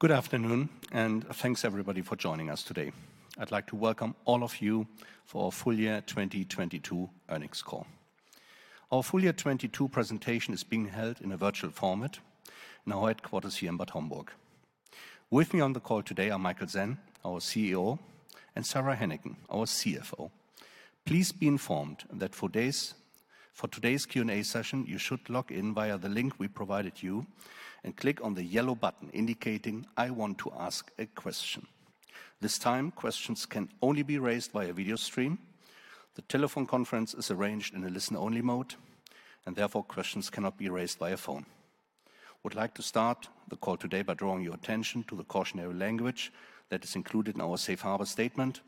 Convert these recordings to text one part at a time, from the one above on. Good afternoon. Thanks, everybody, for joining us today. I'd like to welcome all of you for our full year 2022 earnings call. Our full year 2022 presentation is being held in a virtual format in our headquarters here in Bad Homburg. With me on the call today are Michael Sen, our CEO, and Sara Hennicken, our CFO. Please be informed that for today's Q&A session you should log in via the link we provided you and click on the yellow button indicating, "I want to ask a question." This time, questions can only be raised via video stream. The telephone conference is arranged in a listen-only mode. Therefore, questions cannot be raised via phone. Would like to start the call today by drawing your attention to the cautionary language that is included in our safe harbor statement,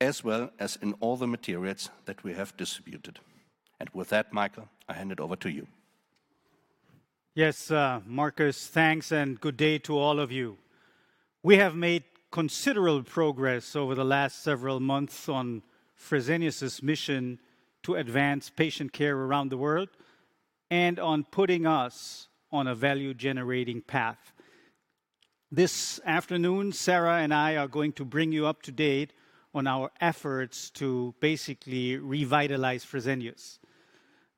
as well as in all the materials that we have distributed. With that, Michael, I hand it over to you. Yes, Marcus, thanks, good day to all of you. We have made considerable progress over the last several months on Fresenius's mission to advance patient care around the world and on putting us on a value-generating path. This afternoon, Sara and I are going to bring you up to date on our efforts to basically revitalize Fresenius.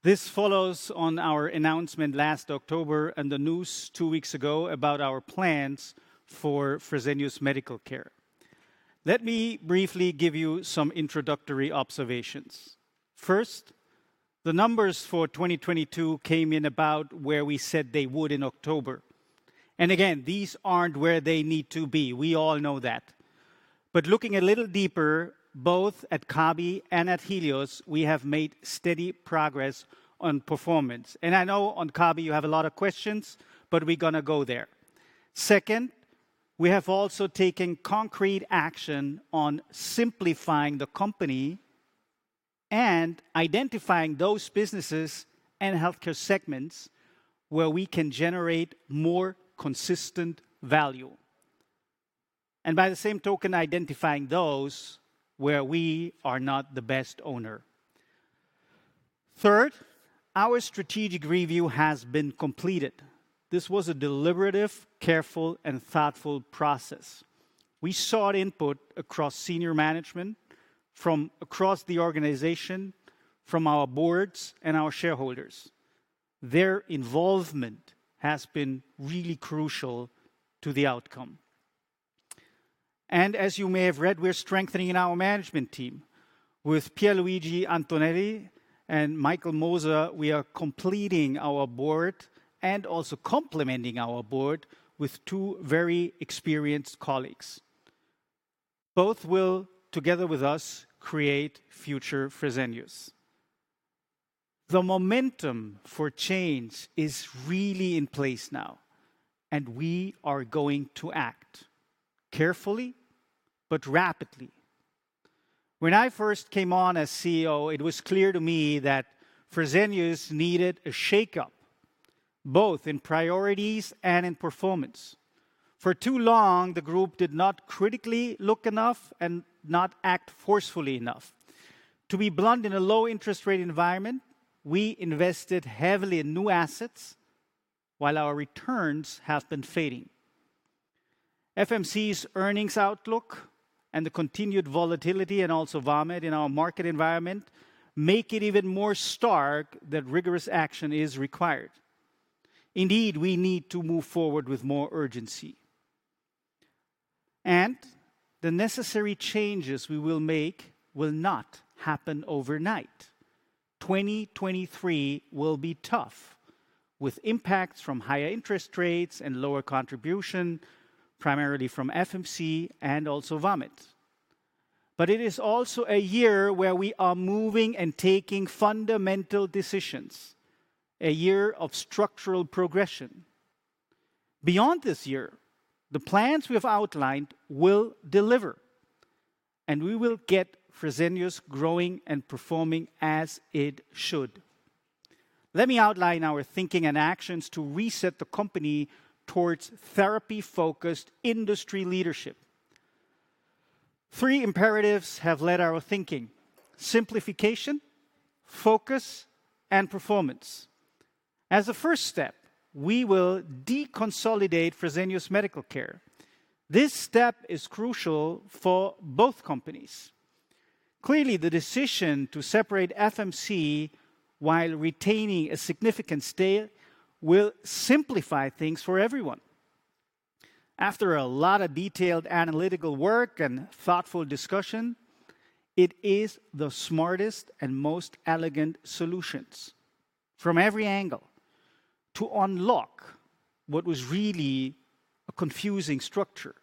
This follows on our announcement last October and the news two weeks ago about our plans for Fresenius Medical Care. Let me briefly give you some introductory observations. First, the numbers for 2022 came in about where we said they would in October. Again, these aren't where they need to be. We all know that. Looking a little deeper, both at Kabi and at Helios, we have made steady progress on performance. I know on Kabi you have a lot of questions, we're gonna go there. Second, we have also taken concrete action on simplifying the company and identifying those businesses and healthcare segments where we can generate more consistent value, and by the same token, identifying those where we are not the best owner. Third, our strategic review has been completed. This was a deliberative, careful, and thoughtful process. We sought input across senior management from across the organization, from our boards and our shareholders. Their involvement has been really crucial to the outcome. As you may have read, we're strengthening our management team. With Pierluigi Antonelli and Michael Moser, we are completing our board and also complementing our board with two very experienced colleagues. Both will, together with us, create future Fresenius. The momentum for change is really in place now, and we are going to act carefully but rapidly. When I first came on as CEO, it was clear to me that Fresenius needed a shakeup, both in priorities and in performance. For too long, the group did not critically look enough and not act forcefully enough. To be blunt, in a low interest rate environment, we invested heavily in new assets while our returns have been fading. FMC's earnings outlook and the continued volatility and also Vamed in our market environment make it even more stark that rigorous action is required. Indeed, we need to move forward with more urgency. The necessary changes we will make will not happen overnight. 2023 will be tough, with impacts from higher interest rates and lower contribution, primarily from FMC and also Vamed. It is also a year where we are moving and taking fundamental decisions, a year of structural progression. Beyond this year, the plans we have outlined will deliver, and we will get Fresenius growing and performing as it should. Let me outline our thinking and actions to reset the company towards therapy-focused industry leadership. Three imperatives have led our thinking: simplification, focus, and performance. As a first step, we will deconsolidate Fresenius Medical Care. This step is crucial for both companies. Clearly, the decision to separate FMC while retaining a significant stake will simplify things for everyone. After a lot of detailed analytical work and thoughtful discussion, it is the smartest and most elegant solutions from every angle to unlock what was really a confusing structure.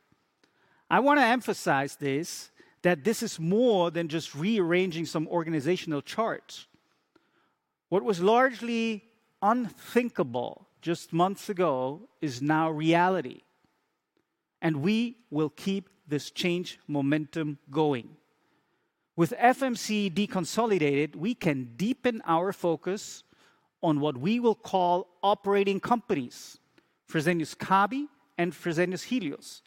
I wanna emphasize this, that this is more than just rearranging some organizational charts. What was largely unthinkable just months ago is now reality, and we will keep this change momentum going. With FMC deconsolidated, we can deepen our focus on what we will call operating companies, Fresenius Kabi and Fresenius Helios.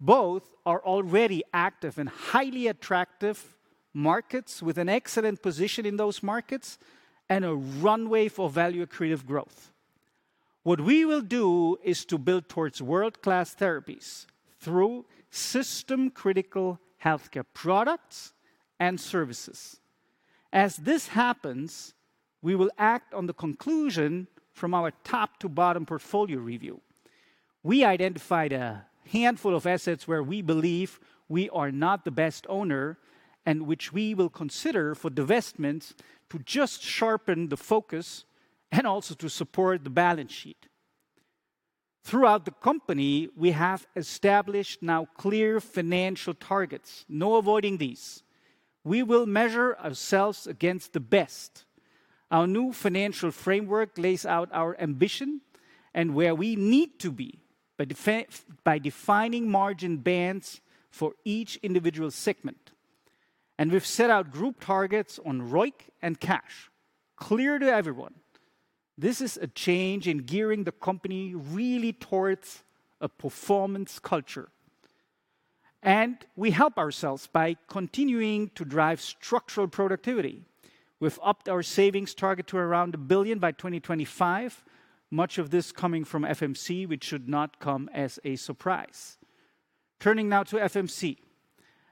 Both are already active in highly attractive markets with an excellent position in those markets and a runway for value-accretive growth. What we will do is to build towards world-class therapies through system-critical healthcare products and services. As this happens, we will act on the conclusion from our top to bottom portfolio review. We identified a handful of assets where we believe we are not the best owner and which we will consider for divestments to just sharpen the focus and also to support the balance sheet. Throughout the company, we have established now clear financial targets. No avoiding these. We will measure ourselves against the best. Our new financial framework lays out our ambition and where we need to be by defining margin bands for each individual segment. We've set out group targets on ROIC and cash, clear to everyone. This is a change in gearing the company really towards a performance culture. We help ourselves by continuing to drive structural productivity. We've upped our savings target to around 1 billion by 2025, much of this coming from FMC, which should not come as a surprise. Turning now to FMC.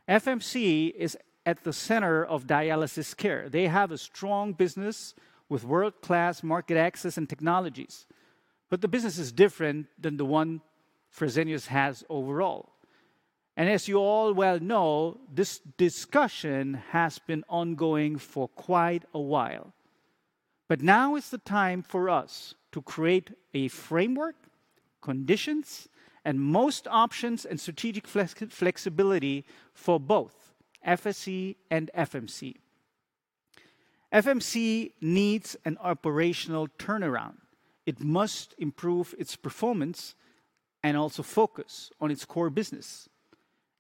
FMC is at the center of dialysis care. They have a strong business with world-class market access and technologies, but the business is different than the one Fresenius has overall. As you all well know, this discussion has been ongoing for quite a while. Now is the time for us to create a framework, conditions, and most options and strategic flexibility for both FSE and FMC. FMC needs an operational turnaround. It must improve its performance and also focus on its core business.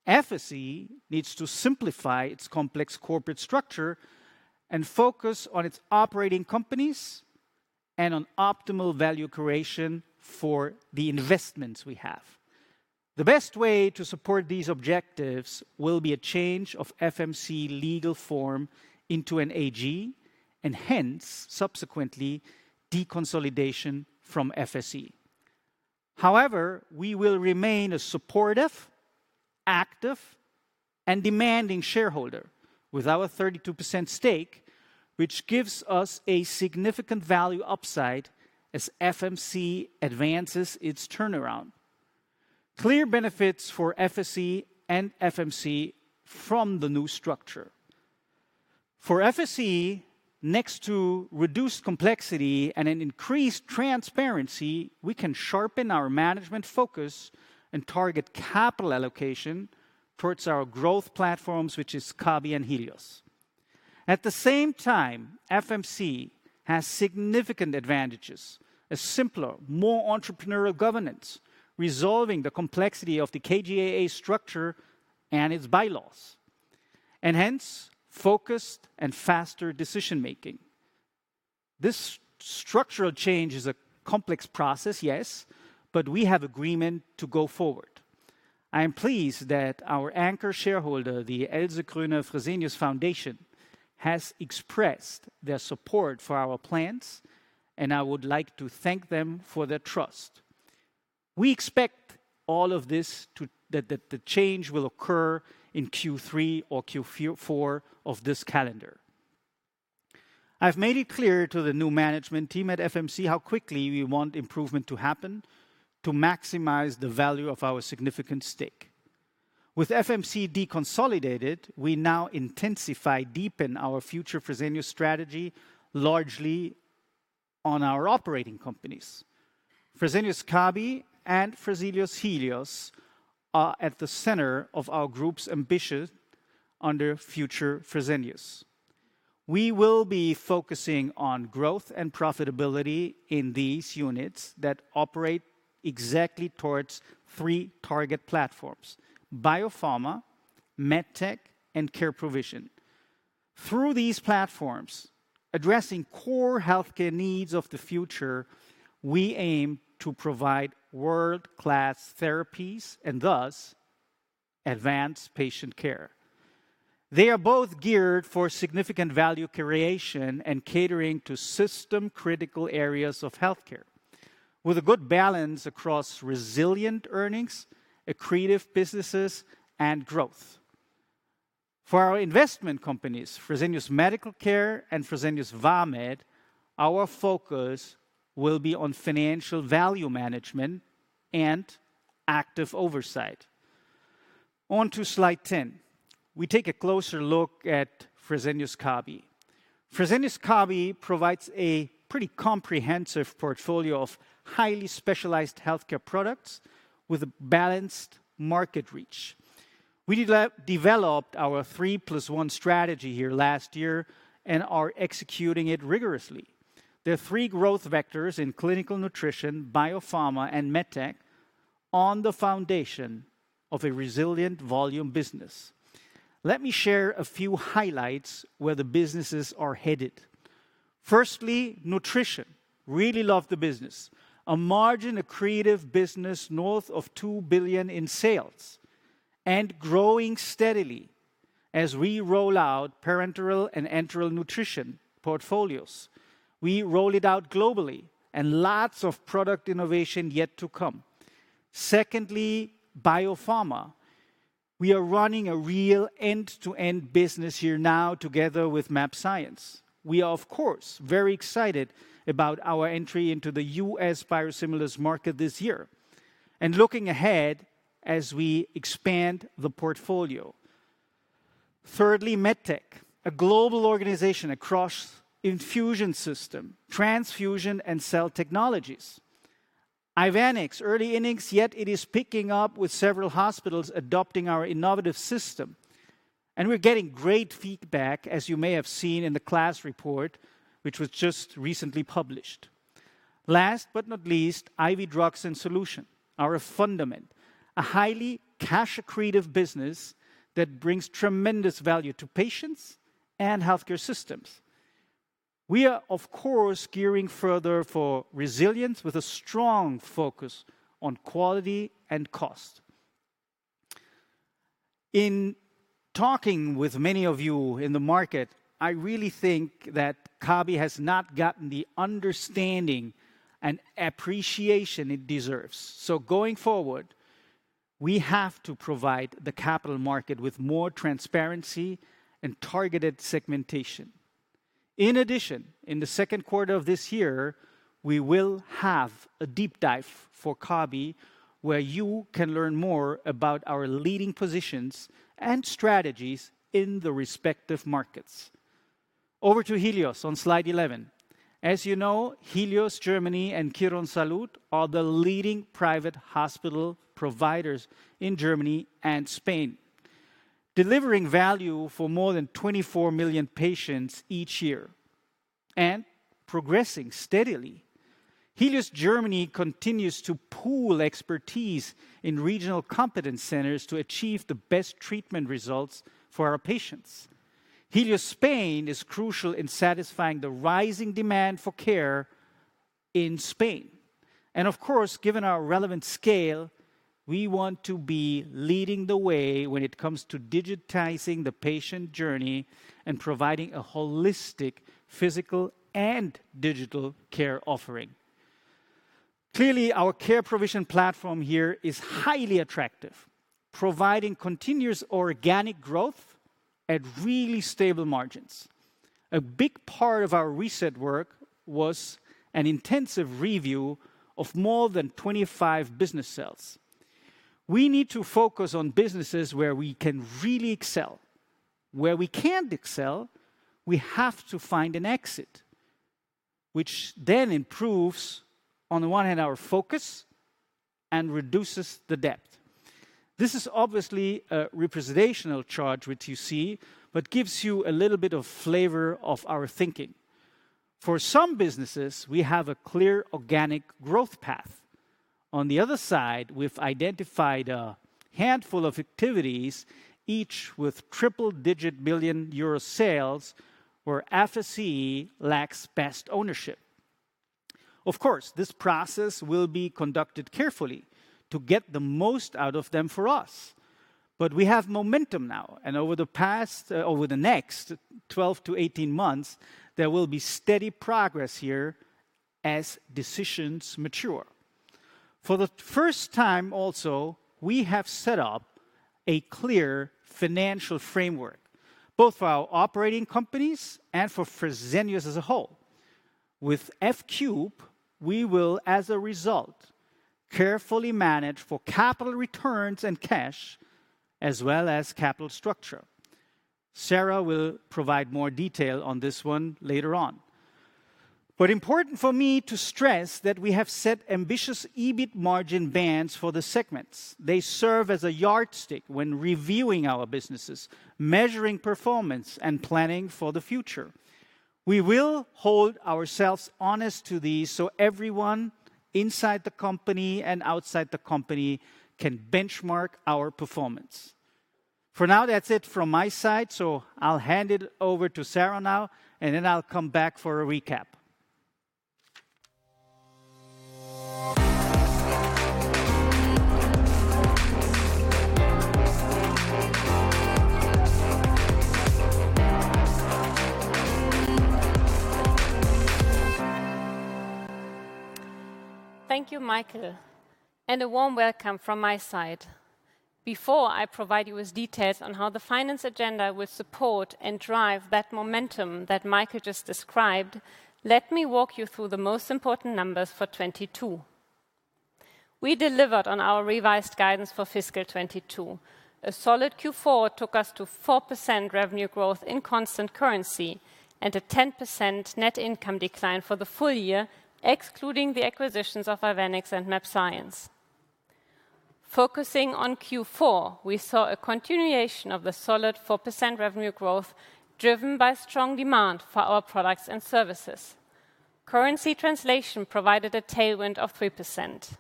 FSE needs to simplify its complex corporate structure and focus on its operating companies and on optimal value creation for the investments we have. The best way to support these objectives will be a change of FMC legal form into an AG, and hence subsequently deconsolidation from FSE. We will remain a supportive, active, and demanding shareholder with our 32% stake, which gives us a significant value upside as FMC advances its turnaround. Clear benefits for FSE and FMC from the new structure. For FSE, next to reduced complexity and an increased transparency, we can sharpen our management focus and target capital allocation towards our growth platforms, which is Kabi and Helios. At the same time, FMC has significant advantages, a simpler, more entrepreneurial governance, resolving the complexity of the KGaA structure and its bylaws, and hence focused and faster decision-making. This structural change is a complex process, yes, but we have agreement to go forward. I am pleased that our anchor shareholder, the Else Kröner-Fresenius Foundation, has expressed their support for our plans, and I would like to thank them for their trust. We expect all of this that the change will occur in Q3 or Q4 of this calendar. I've made it clear to the new management team at FMC how quickly we want improvement to happen to maximize the value of our significant stake. With FMC deconsolidated, we now intensify, deepen our #FutureFresenius strategy largely on our operating companies. Fresenius Kabi and Fresenius Helios are at the center of our group's ambition under #FutureFresenius. We will be focusing on growth and profitability in these units that operate exactly towards three target platforms: biopharma, medtech, and care provision. Through these platforms, addressing core healthcare needs of the future, we aim to provide world-class therapies and thus advance patient care. They are both geared for significant value creation and catering to system-critical areas of healthcare with a good balance across resilient earnings, accretive businesses, and growth. For our investment companies, Fresenius Medical Care and Fresenius Vamed, our focus will be on financial value management and active oversight. On to slide 10, we take a closer look at Fresenius Kabi. Fresenius Kabi provides a pretty comprehensive portfolio of highly specialized healthcare products with a balanced market reach. We developed our Three Plus One Strategy here last year and are executing it rigorously. There are three growth vectors in clinical nutrition, biopharma, and medtech on the foundation of a resilient volume business. Let me share a few highlights where the businesses are headed. Firstly, nutrition. Really love the business. A margin, a creative business north of 2 billion in sales, and growing steadily as we roll out parenteral and enteral nutrition portfolios. We roll it out globally. Lots of product innovation yet to come. Secondly, Biopharma. We are running a real end-to-end business here now together with mAbxience. We are, of course, very excited about our entry into the U.S. biosimilars market this year. Looking ahead as we expand the portfolio. Thirdly, MedTech, a global organization across infusion system, transfusion, and cell technologies. Ivenix, early innings, yet it is picking up with several hospitals adopting our innovative system. We're getting great feedback, as you may have seen in the class report, which was just recently published. Last but not least, IV drugs and solution, our fundament. A highly cash-accretive business that brings tremendous value to patients and healthcare systems. We are, of course, gearing further for resilience with a strong focus on quality and cost. In talking with many of you in the market, I really think that Kabi has not gotten the understanding and appreciation it deserves. Going forward, we have to provide the capital market with more transparency and targeted segmentation. In addition, in the Q2 of this year, we will have a deep dive for Kabi, where you can learn more about our leading positions and strategies in the respective markets. Over to Helios on slide 11. As you know, Helios Germany and Quirónsalud are the leading private hospital providers in Germany and Spain, delivering value for more than 24 million patients each year and progressing steadily. Helios Germany continues to pool expertise in regional competence centers to achieve the best treatment results for our patients. Helios Spain is crucial in satisfying the rising demand for care in Spain. Of course, given our relevant scale, we want to be leading the way when it comes to digitizing the patient journey and providing a holistic physical and digital care offering. Clearly, our care provision platform here is highly attractive, providing continuous organic growth at really stable margins. A big part of our reset work was an intensive review of more than 25 business cells. We need to focus on businesses where we can really excel. Where we can't excel, we have to find an exit, which then improves, on the one hand, our focus and reduces the debt. This is obviously a representational chart which you see but gives you a little bit of flavor of our thinking. For some businesses, we have a clear organic growth path. On the other side, we've identified a handful of activities, each with triple-digit million euro sales, where FSE lacks best ownership. Of course, this process will be conducted carefully to get the most out of them for us. We have momentum now, and over the next 12-18 months, there will be steady progress here as decisions mature. For the first time also, we have set up a clear financial framework, both for our operating companies and for Fresenius as a whole. With F cube, we will, as a result, carefully manage for capital returns and cash as well as capital structure. Sara will provide more detail on this one later on. Important for me to stress that we have set ambitious EBIT margin bands for the segments. They serve as a yardstick when reviewing our businesses, measuring performance, and planning for the future. We will hold ourselves honest to these so everyone inside the company and outside the company can benchmark our performance. For now, that's it from my side. I'll hand it over to Sara now. I'll come back for a recap. Thank you, Michael. A warm welcome from my side. Before I provide you with details on how the finance agenda will support and drive that momentum that Michael just described, let me walk you through the most important numbers for 2022. We delivered on our revised guidance for fiscal 2022. A solid Q4 took us to 4% revenue growth in constant currency and a 10% net income decline for the full year, excluding the acquisitions of Ivenix and mAbxience. Focusing on Q4, we saw a continuation of the solid 4% revenue growth, driven by strong demand for our products and services. Currency translation provided a tailwind of 3%.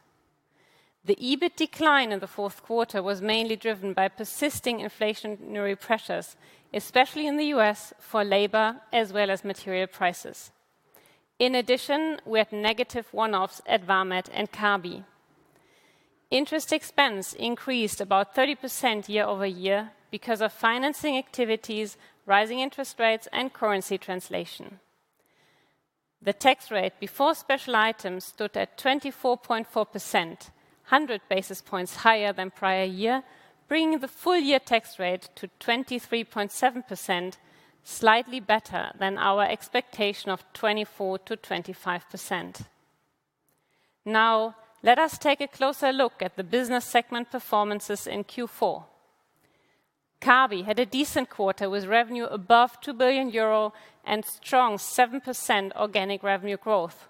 The EBIT decline in the Q4 was mainly driven by persisting inflationary pressures, especially in the U.S. for labor as well as material prices. In addition, we had negative one-offs at Vamed and Kabi. Interest expense increased about 30% year-over-year because of financing activities, rising interest rates and currency translation. The tax rate before special items stood at 24.4%, 100 basis points higher than prior year, bringing the full year tax rate to 23.7%, slightly better than our expectation of 24%-25%. Let us take a closer look at the business segment performances in Q4. Kabi had a decent quarter with revenue above 2 billion euro and strong 7% organic revenue growth.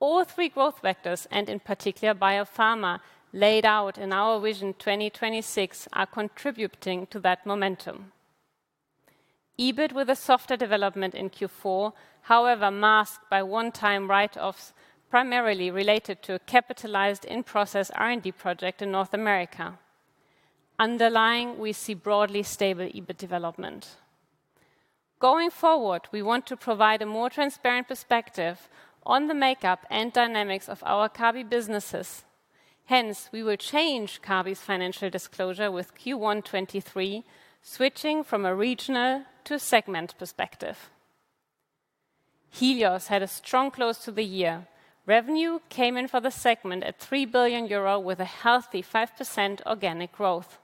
All three growth vectors, and in particular biopharma, laid out in our Vision 2026, are contributing to that momentum. EBIT with a softer development in Q4, however masked by one-time write-offs primarily related to a capitalized in-process R&D project in North America. Underlying, we see broadly stable EBIT development. Going forward, we want to provide a more transparent perspective on the makeup and dynamics of our Kabi businesses. Hence, we will change Kabi's financial disclosure with Q1 2023, switching from a regional to segment perspective. Helios had a strong close to the year. Revenue came in for the segment at 3 billion euro with a healthy 5% organic growth.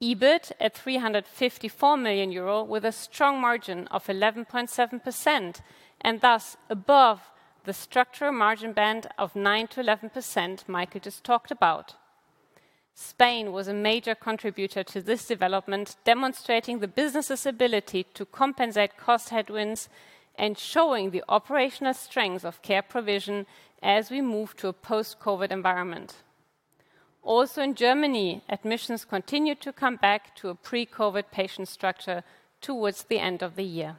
EBIT at 354 million euro with a strong margin of 11.7% and thus above the structural margin band of 9%-11% Michael just talked about. Spain was a major contributor to this development, demonstrating the business's ability to compensate cost headwinds and showing the operational strength of care provision as we move to a post-COVID environment. In Germany, admissions continued to come back to a pre-COVID patient structure towards the end of the year.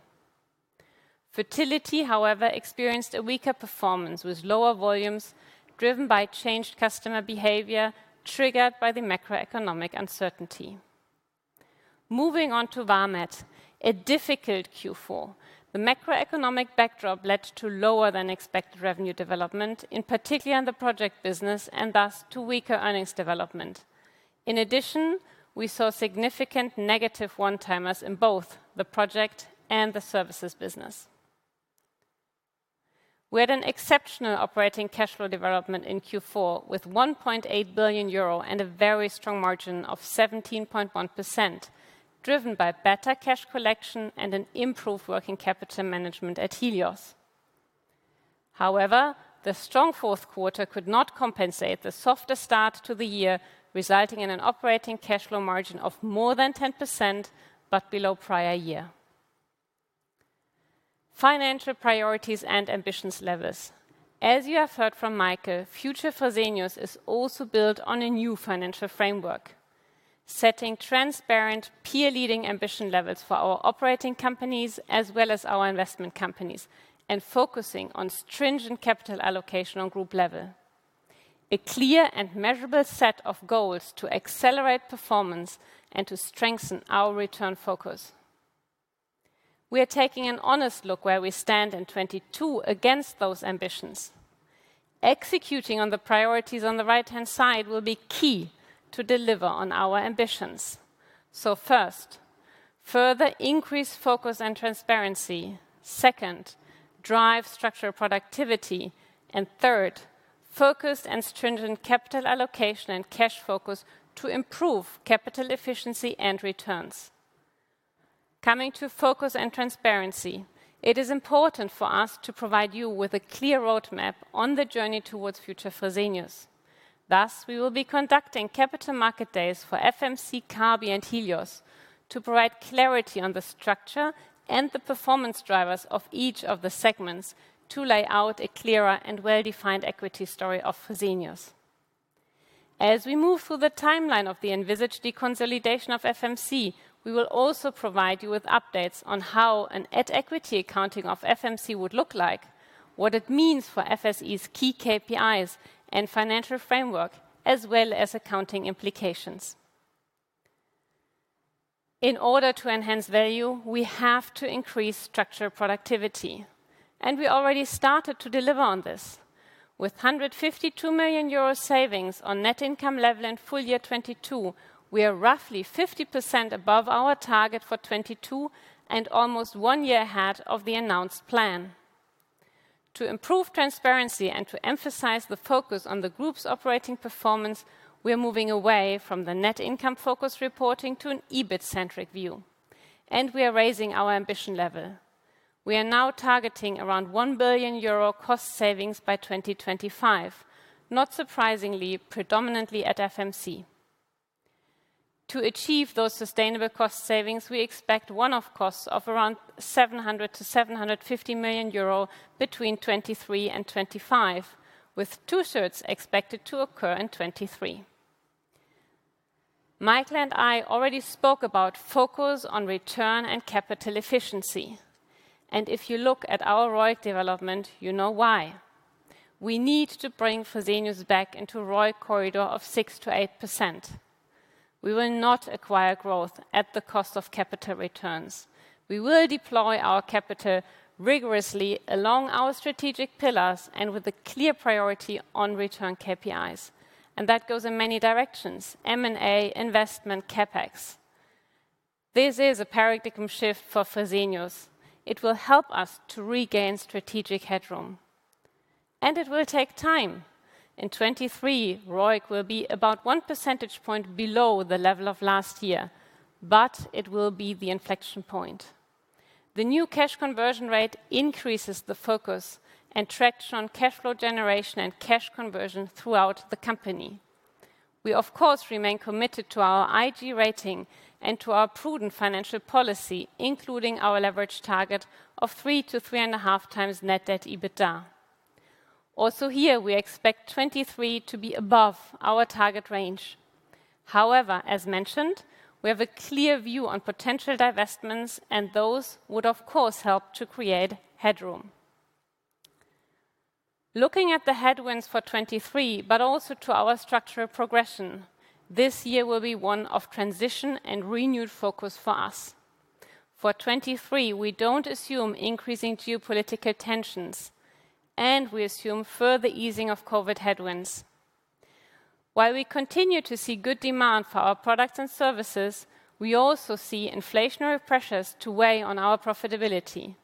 Fertility, however, experienced a weaker performance with lower volumes driven by changed customer behavior triggered by the macroeconomic uncertainty. Moving on to Vamed, a difficult Q4. The macroeconomic backdrop led to lower than expected revenue development, in particular in the project business, and thus to weaker earnings development. In addition, we saw significant negative one-timers in both the project and the services business. We had an exceptional operating cash flow development in Q4 with 1.8 billion euro and a very strong margin of 17.1%, driven by better cash collection and an improved working capital management at Helios. However, the strong Q4 could not compensate the softer start to the year, resulting in an operating cash flow margin of more than 10%, but below prior year. Financial priorities and ambitions levels. As you have heard from Michael, Future Fresenius is also built on a new financial framework, setting transparent peer-leading ambition levels for our operating companies as well as our investment companies and focusing on stringent capital allocation on group level. A clear and measurable set of goals to accelerate performance and to strengthen our return focus. We are taking an honest look where we stand in 2022 against those ambitions. Executing on the priorities on the right-hand side will be key to deliver on our ambitions. First, further increase focus and transparency. Second, drive structural productivity. Third, focus and stringent capital allocation and cash focus to improve capital efficiency and returns. Coming to focus and transparency, it is important for us to provide you with a clear roadmap on the journey towards Future Fresenius. Thus, we will be conducting capital market days for FMC, Kabi, and Helios to provide clarity on the structure and the performance drivers of each of the segments to lay out a clearer and well-defined equity story of Fresenius. As we move through the timeline of the envisaged deconsolidation of FMC, we will also provide you with updates on how an at equity accounting of FMC would look like, what it means for FSE's key KPIs and financial framework, as well as accounting implications. In order to enhance value, we have to increase structural productivity, and we already started to deliver on this. With 152 million euro savings on net income level in full year 2022, we are roughly 50% above our target for 2022 and almost one year ahead of the announced plan. To improve transparency and to emphasize the focus on the group's operating performance, we are moving away from the net income focus reporting to an EBIT-centric view. We are raising our ambition level. We are now targeting around 1 billion euro cost savings by 2025, not surprisingly, predominantly at FMC. To achieve those sustainable cost savings, we expect one-off costs of around 700 million-750 million euro between 2023 and 2025, with 2/3 expected to occur in 2023. Michael and I already spoke about focus on return and capital efficiency. If you look at our ROIC development, you know why. We need to bring Fresenius back into ROIC corridor of 6%-8%. We will not acquire growth at the cost of capital returns. We will deploy our capital rigorously along our strategic pillars and with a clear priority on return KPIs. That goes in many directions: M&A, investment, CapEx. This is a paradigm shift for Fresenius. It will help us to regain strategic headroom. It will take time. In 2023, ROIC will be about 1 percentage point below the level of last year. It will be the inflection point. The new cash conversion rate increases the focus and traction on cash flow generation and cash conversion throughout the company. We of course remain committed to our IG rating and to our prudent financial policy, including our leverage target of 3-3.5 times net debt EBITDA. Also here, we expect 2023 to be above our target range. However, as mentioned, we have a clear view on potential divestments. Those would, of course, help to create headroom. Looking at the headwinds for 2023, but also to our structural progression, this year will be one of transition and renewed focus for us. For 2023, we don't assume increasing geopolitical tensions, and we assume further easing of COVID headwinds. While we continue to see good demand for our products and services, we also see inflationary pressures to weigh on our profitability.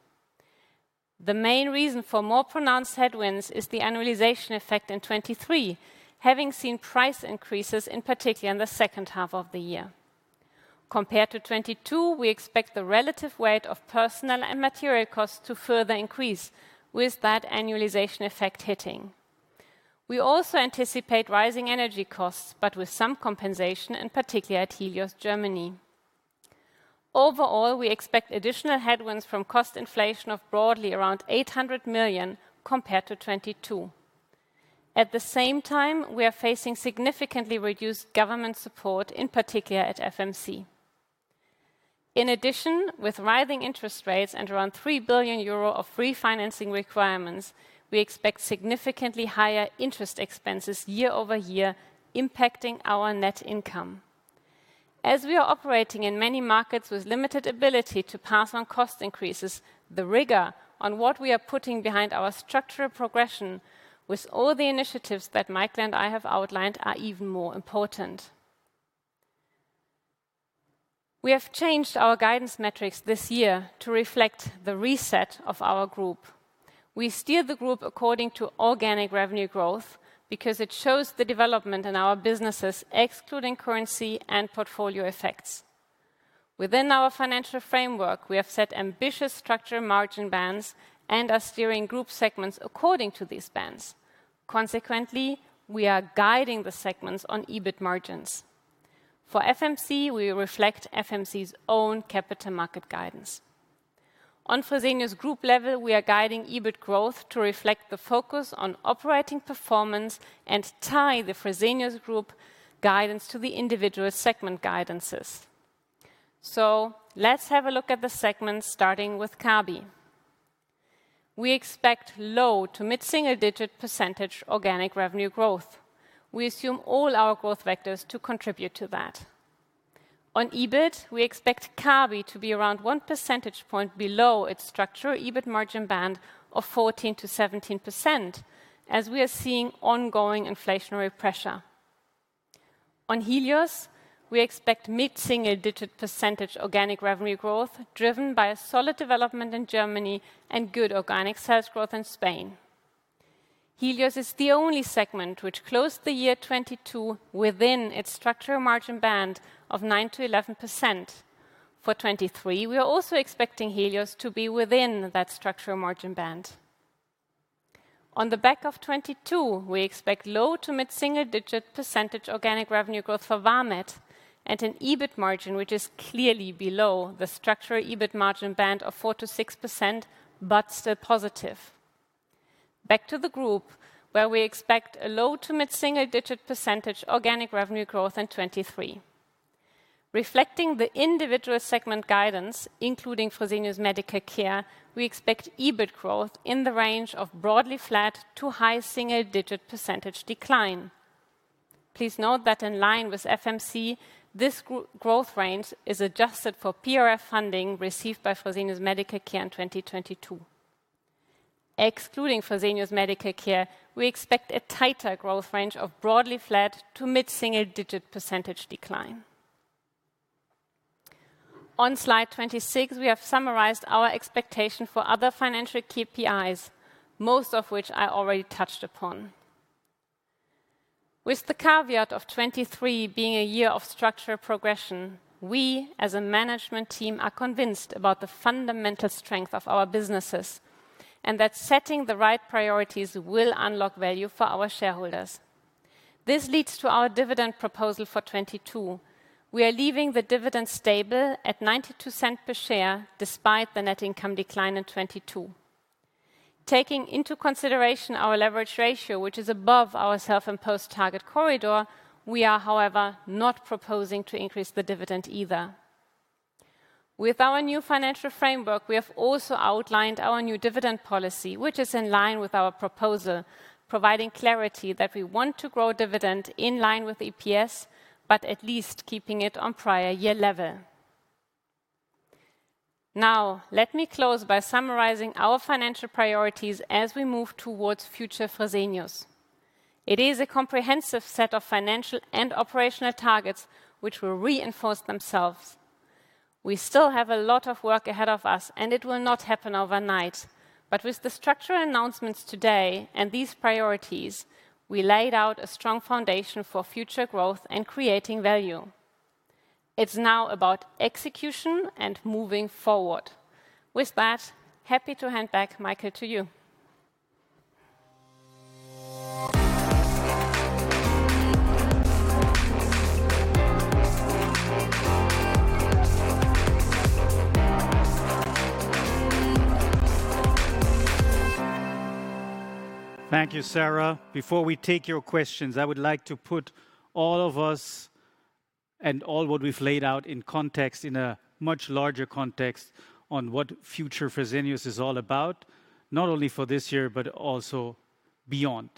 The main reason for more pronounced headwinds is the annualization effect in 2023, having seen price increases, in particular in the second half of the year. Compared to 2022, we expect the relative weight of personal and material costs to further increase with that annualization effect hitting. We also anticipate rising energy costs, but with some compensation, in particular at Helios Germany. Overall, we expect additional headwinds from cost inflation of broadly around 800 million compared to 2022. At the same time, we are facing significantly reduced government support, in particular at FMC. With rising interest rates and around 3 billion euro of refinancing requirements, we expect significantly higher interest expenses year-over-year impacting our net income. We are operating in many markets with limited ability to pass on cost increases, the rigor on what we are putting behind our structural progression with all the initiatives that Michael and I have outlined are even more important. We have changed our guidance metrics this year to reflect the reset of our group. We steer the group according to organic revenue growth because it shows the development in our businesses, excluding currency and portfolio effects. Within our financial framework, we have set ambitious structural margin bands and are steering group segments according to these bands. We are guiding the segments on EBIT margins. For FMC, we reflect FMC's own capital market guidance. On Fresenius Group level, we are guiding EBIT growth to reflect the focus on operating performance and tie the Fresenius Group guidance to the individual segment guidances. Let's have a look at the segments starting with Kabi. We expect low to mid-single-digit % organic revenue growth. We assume all our growth vectors to contribute to that. On EBIT, we expect Kabi to be around 1 percentage point below its structural EBIT margin band of 14%-17%, as we are seeing ongoing inflationary pressure. On Helios, we expect mid-single-digit % organic revenue growth driven by a solid development in Germany and good organic sales growth in Spain. Helios is the only segment which closed the year 2022 within its structural margin band of 9%-11%. For 2023, we are also expecting Helios to be within that structural margin band. On the back of 2022, we expect low to mid-single digit % organic revenue growth for Vamed and an EBIT margin, which is clearly below the structural EBIT margin band of 4%-6%, but still positive. Back to the group, where we expect a low to mid-single digit % organic revenue growth in 2023. Reflecting the individual segment guidance, including Fresenius Medical Care, we expect EBIT growth in the range of broadly flat to high single digit % decline. Please note that in line with FMC, this growth range is adjusted for PRF funding received by Fresenius Medical Care in 2022. Excluding Fresenius Medical Care, we expect a tighter growth range of broadly flat to mid-single digit % decline. On slide 26, we have summarized our expectation for other financial KPIs, most of which I already touched upon. With the caveat of 2023 being a year of structural progression, we, as a management team, are convinced about the fundamental strength of our businesses, that setting the right priorities will unlock value for our shareholders. This leads to our dividend proposal for 2022. We are leaving the dividend stable at 0.92 per share despite the net income decline in 2022. Taking into consideration our leverage ratio, which is above our self-imposed target corridor, we are, however, not proposing to increase the dividend either. With our new financial framework, we have also outlined our new dividend policy, which is in line with our proposal, providing clarity that we want to grow dividend in line with EPS, at least keeping it on prior year level. Let me close by summarizing our financial priorities as we move towards #FutureFresenius. It is a comprehensive set of financial and operational targets which will reinforce themselves. We still have a lot of work ahead of us. It will not happen overnight. With the structural announcements today and these priorities, we laid out a strong foundation for future growth and creating value. It's now about execution and moving forward. With that, happy to hand back, Michael, to you. Thank you, Sara. Before we take your questions, I would like to put all of us and all what we've laid out in context, in a much larger context on what #FutureFresenius is all about, not only for this year, but also beyond.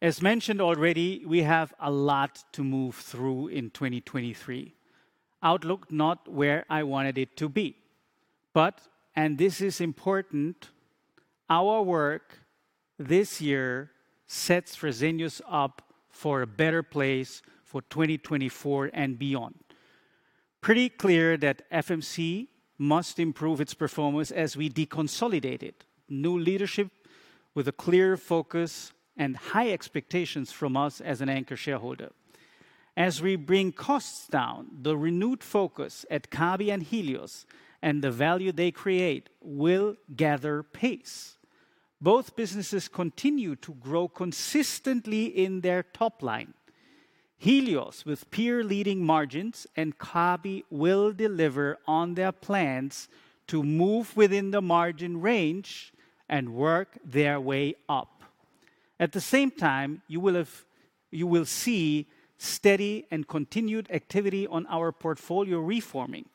As mentioned already, we have a lot to move through in 2023. Outlook not where I wanted it to be. This is important, our work this year sets Fresenius up for a better place for 2024 and beyond. Pretty clear that FMC must improve its performance as we deconsolidate it. New leadership with a clear focus and high expectations from us as an anchor shareholder. As we bring costs down, the renewed focus at Kabi and Helios and the value they create will gather pace. Both businesses continue to grow consistently in their top line. Helios, with peer-leading margins, and Kabi will deliver on their plans to move within the margin range and work their way up. At the same time, you will see steady and continued activity on our portfolio reforming,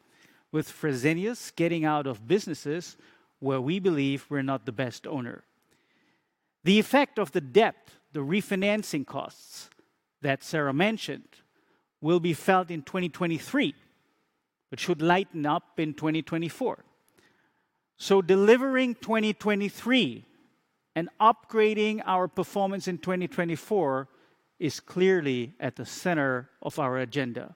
with Fresenius getting out of businesses where we believe we're not the best owner. The effect of the debt, the refinancing costs that Sara mentioned, will be felt in 2023, should lighten up in 2024. Delivering 2023 and upgrading our performance in 2024 is clearly at the center of our agenda.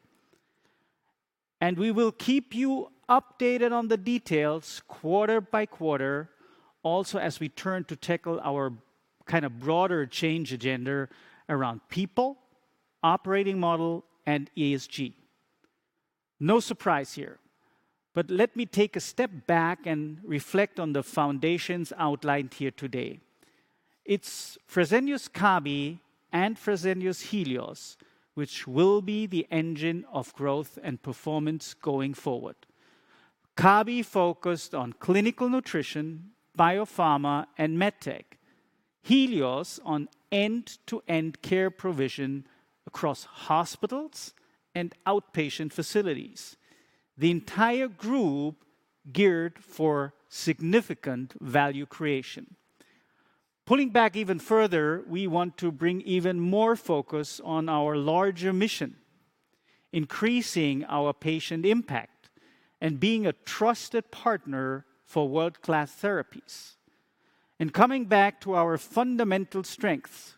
We will keep you updated on the details quarter by quarter, also as we turn to tackle our kind of broader change agenda around people, operating model, and ESG. No surprise here, let me take a step back and reflect on the foundations outlined here today. It's Fresenius Kabi and Fresenius Helios which will be the engine of growth and performance going forward. Kabi focused on clinical nutrition, biopharma, and med tech. Helios on end-to-end care provision across hospitals and outpatient facilities. The entire group geared for significant value creation. Pulling back even further, we want to bring even more focus on our larger mission, increasing our patient impact and being a trusted partner for world-class therapies. Coming back to our fundamental strength,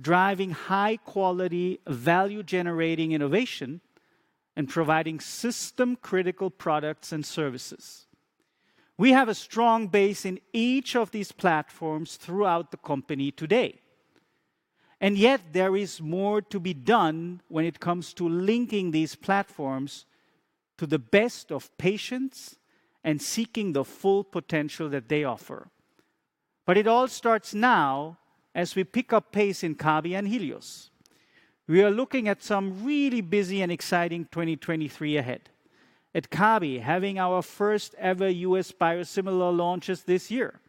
driving high quality, value-generating innovation, and providing system critical products and services. We have a strong base in each of these platforms throughout the company today. Yet there is more to be done when it comes to linking these platforms to the best of patients and seeking the full potential that they offer. It all starts now as we pick up pace in Kabi and Helios. We are looking at some really busy and exciting 2023 ahead. At Kabi, having our first ever U.S. biosimilar launches this year.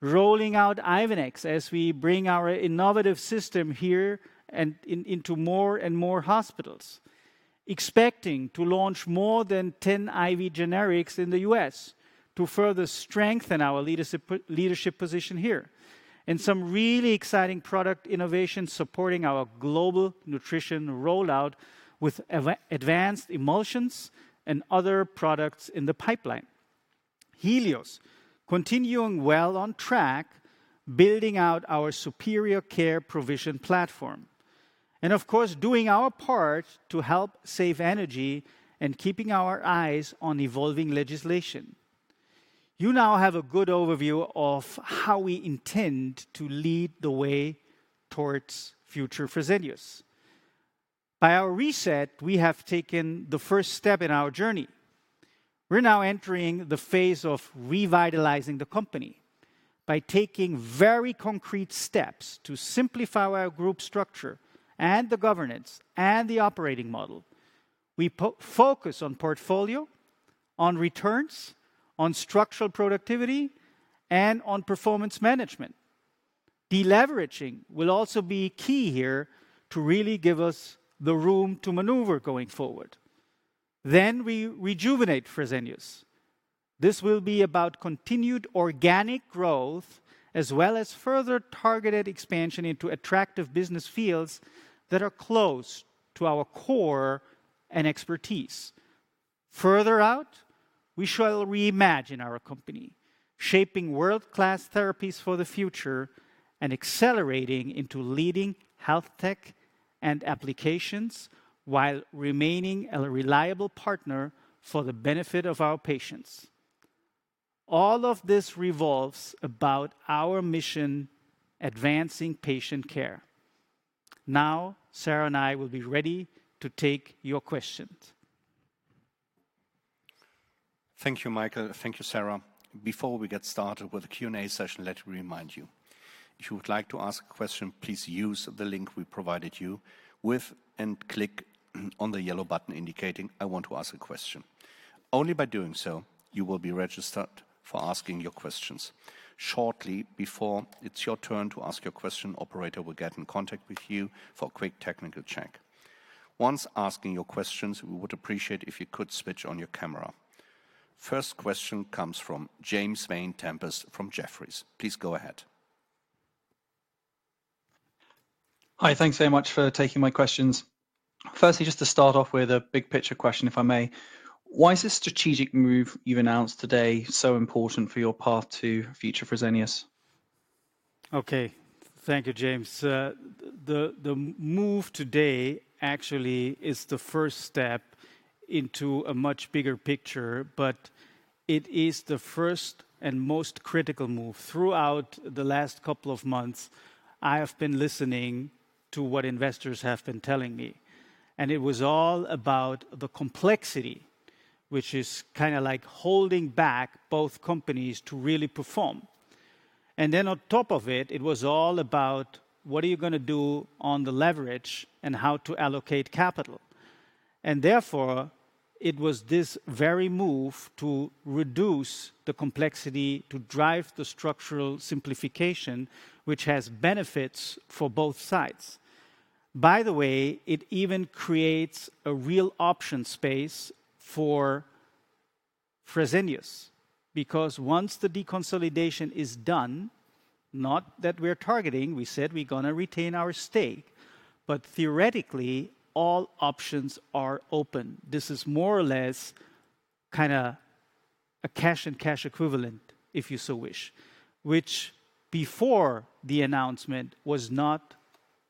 Rolling out Ivenix as we bring our innovative system here into more and more hospitals. Expecting to launch more than 10 IV generics in the U.S. to further strengthen our leadership position here. Some really exciting product innovation supporting our global nutrition rollout with advanced emulsions and other products in the pipeline. Helios continuing well on track, building out our superior care provision platform. Of course, doing our part to help save energy and keeping our eyes on evolving legislation. You now have a good overview of how we intend to lead the way towards #FutureFresenius. By our reset, we have taken the first step in our journey. We're now entering the phase of revitalizing the company by taking very concrete steps to simplify our group structure and the governance and the operating model. We focus on portfolio, on returns, on structural productivity, and on performance management. Deleveraging will also be key here to really give us the room to maneuver going forward. We rejuvenate Fresenius. This will be about continued organic growth, as well as further targeted expansion into attractive business fields that are close to our core and expertise. Further out, we shall reimagine our company, shaping world-class therapies for the future and accelerating into leading health tech and applications while remaining a reliable partner for the benefit of our patients. All of this revolves about our mission: advancing patient care. Now, Sara and I will be ready to take your questions. Thank you, Michael. Thank you, Sara. Before we get started with the Q&A session, let me remind you, if you would like to ask a question, please use the link we provided you with and click on the yellow button indicating, "I want to ask a question." Only by doing so, you will be registered for asking your questions. Shortly before it's your turn to ask your question, operator will get in contact with you for a quick technical check. Once asking your questions, we would appreciate if you could switch on your camera. First question comes from James Vane-Tempest from Jefferies. Please go ahead. Hi. Thanks very much for taking my questions. Firstly, just to start off with a big picture question, if I may. Why is this strategic move you've announced today so important for your path to future Fresenius? Okay. Thank you, James. The move today actually is the first step into a much bigger picture, it is the first and most critical move. Throughout the last couple of months, I have been listening to what investors have been telling me, it was all about the complexity, which is kind of like holding back both companies to really perform. On top of it was all about what are you gonna do on the leverage and how to allocate capital. Therefore, it was this very move to reduce the complexity to drive the structural simplification, which has benefits for both sides. By the way, it even creates a real option space for Fresenius, because once the deconsolidation is done, not that we're targeting, we said we're gonna retain our stake, but theoretically, all options are open. This is more or less kinda a cash and cash equivalent, if you so wish. Which before the announcement was not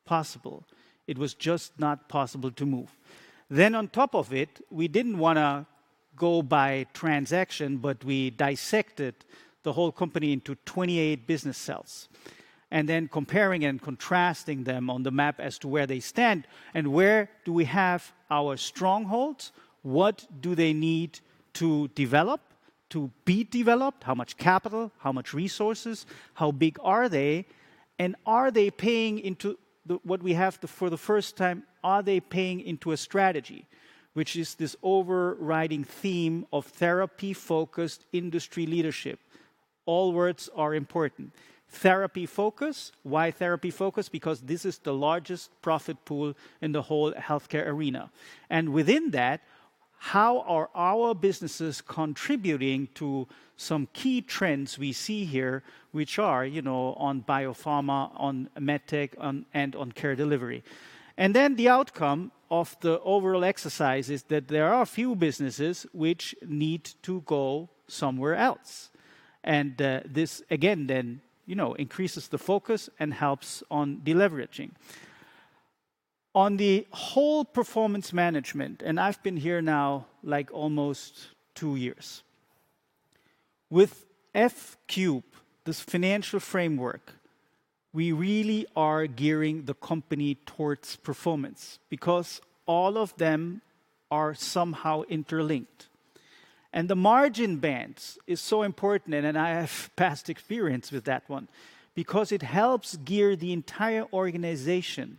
possible. It was just not possible to move. On top of it, we didn't wanna go by transaction, but we dissected the whole company into 28 business cells, and then comparing and contrasting them on the map as to where they stand and where do we have our strongholds, what do they need to develop, to be developed, how much capital, how much resources, how big are they, and are they paying into the... what we have for the first time, are they paying into a strategy? Which is this overriding theme of therapy-focused industry leadership. All words are important. Therapy focus. Why therapy focus? Because this is the largest profit pool in the whole healthcare arena. Within that, how are our businesses contributing to some key trends we see here, which are, you know, on biopharma, on medtech, on, and on care delivery. The outcome of the overall exercise is that there are a few businesses which need to go somewhere else. This again then, you know, increases the focus and helps on deleveraging. On the whole performance management, and I've been here now, like, almost two years. With F cube, this financial framework, we really are gearing the company towards performance because all of them are somehow interlinked. The margin bands is so important, and I have past experience with that one, because it helps gear the entire organization.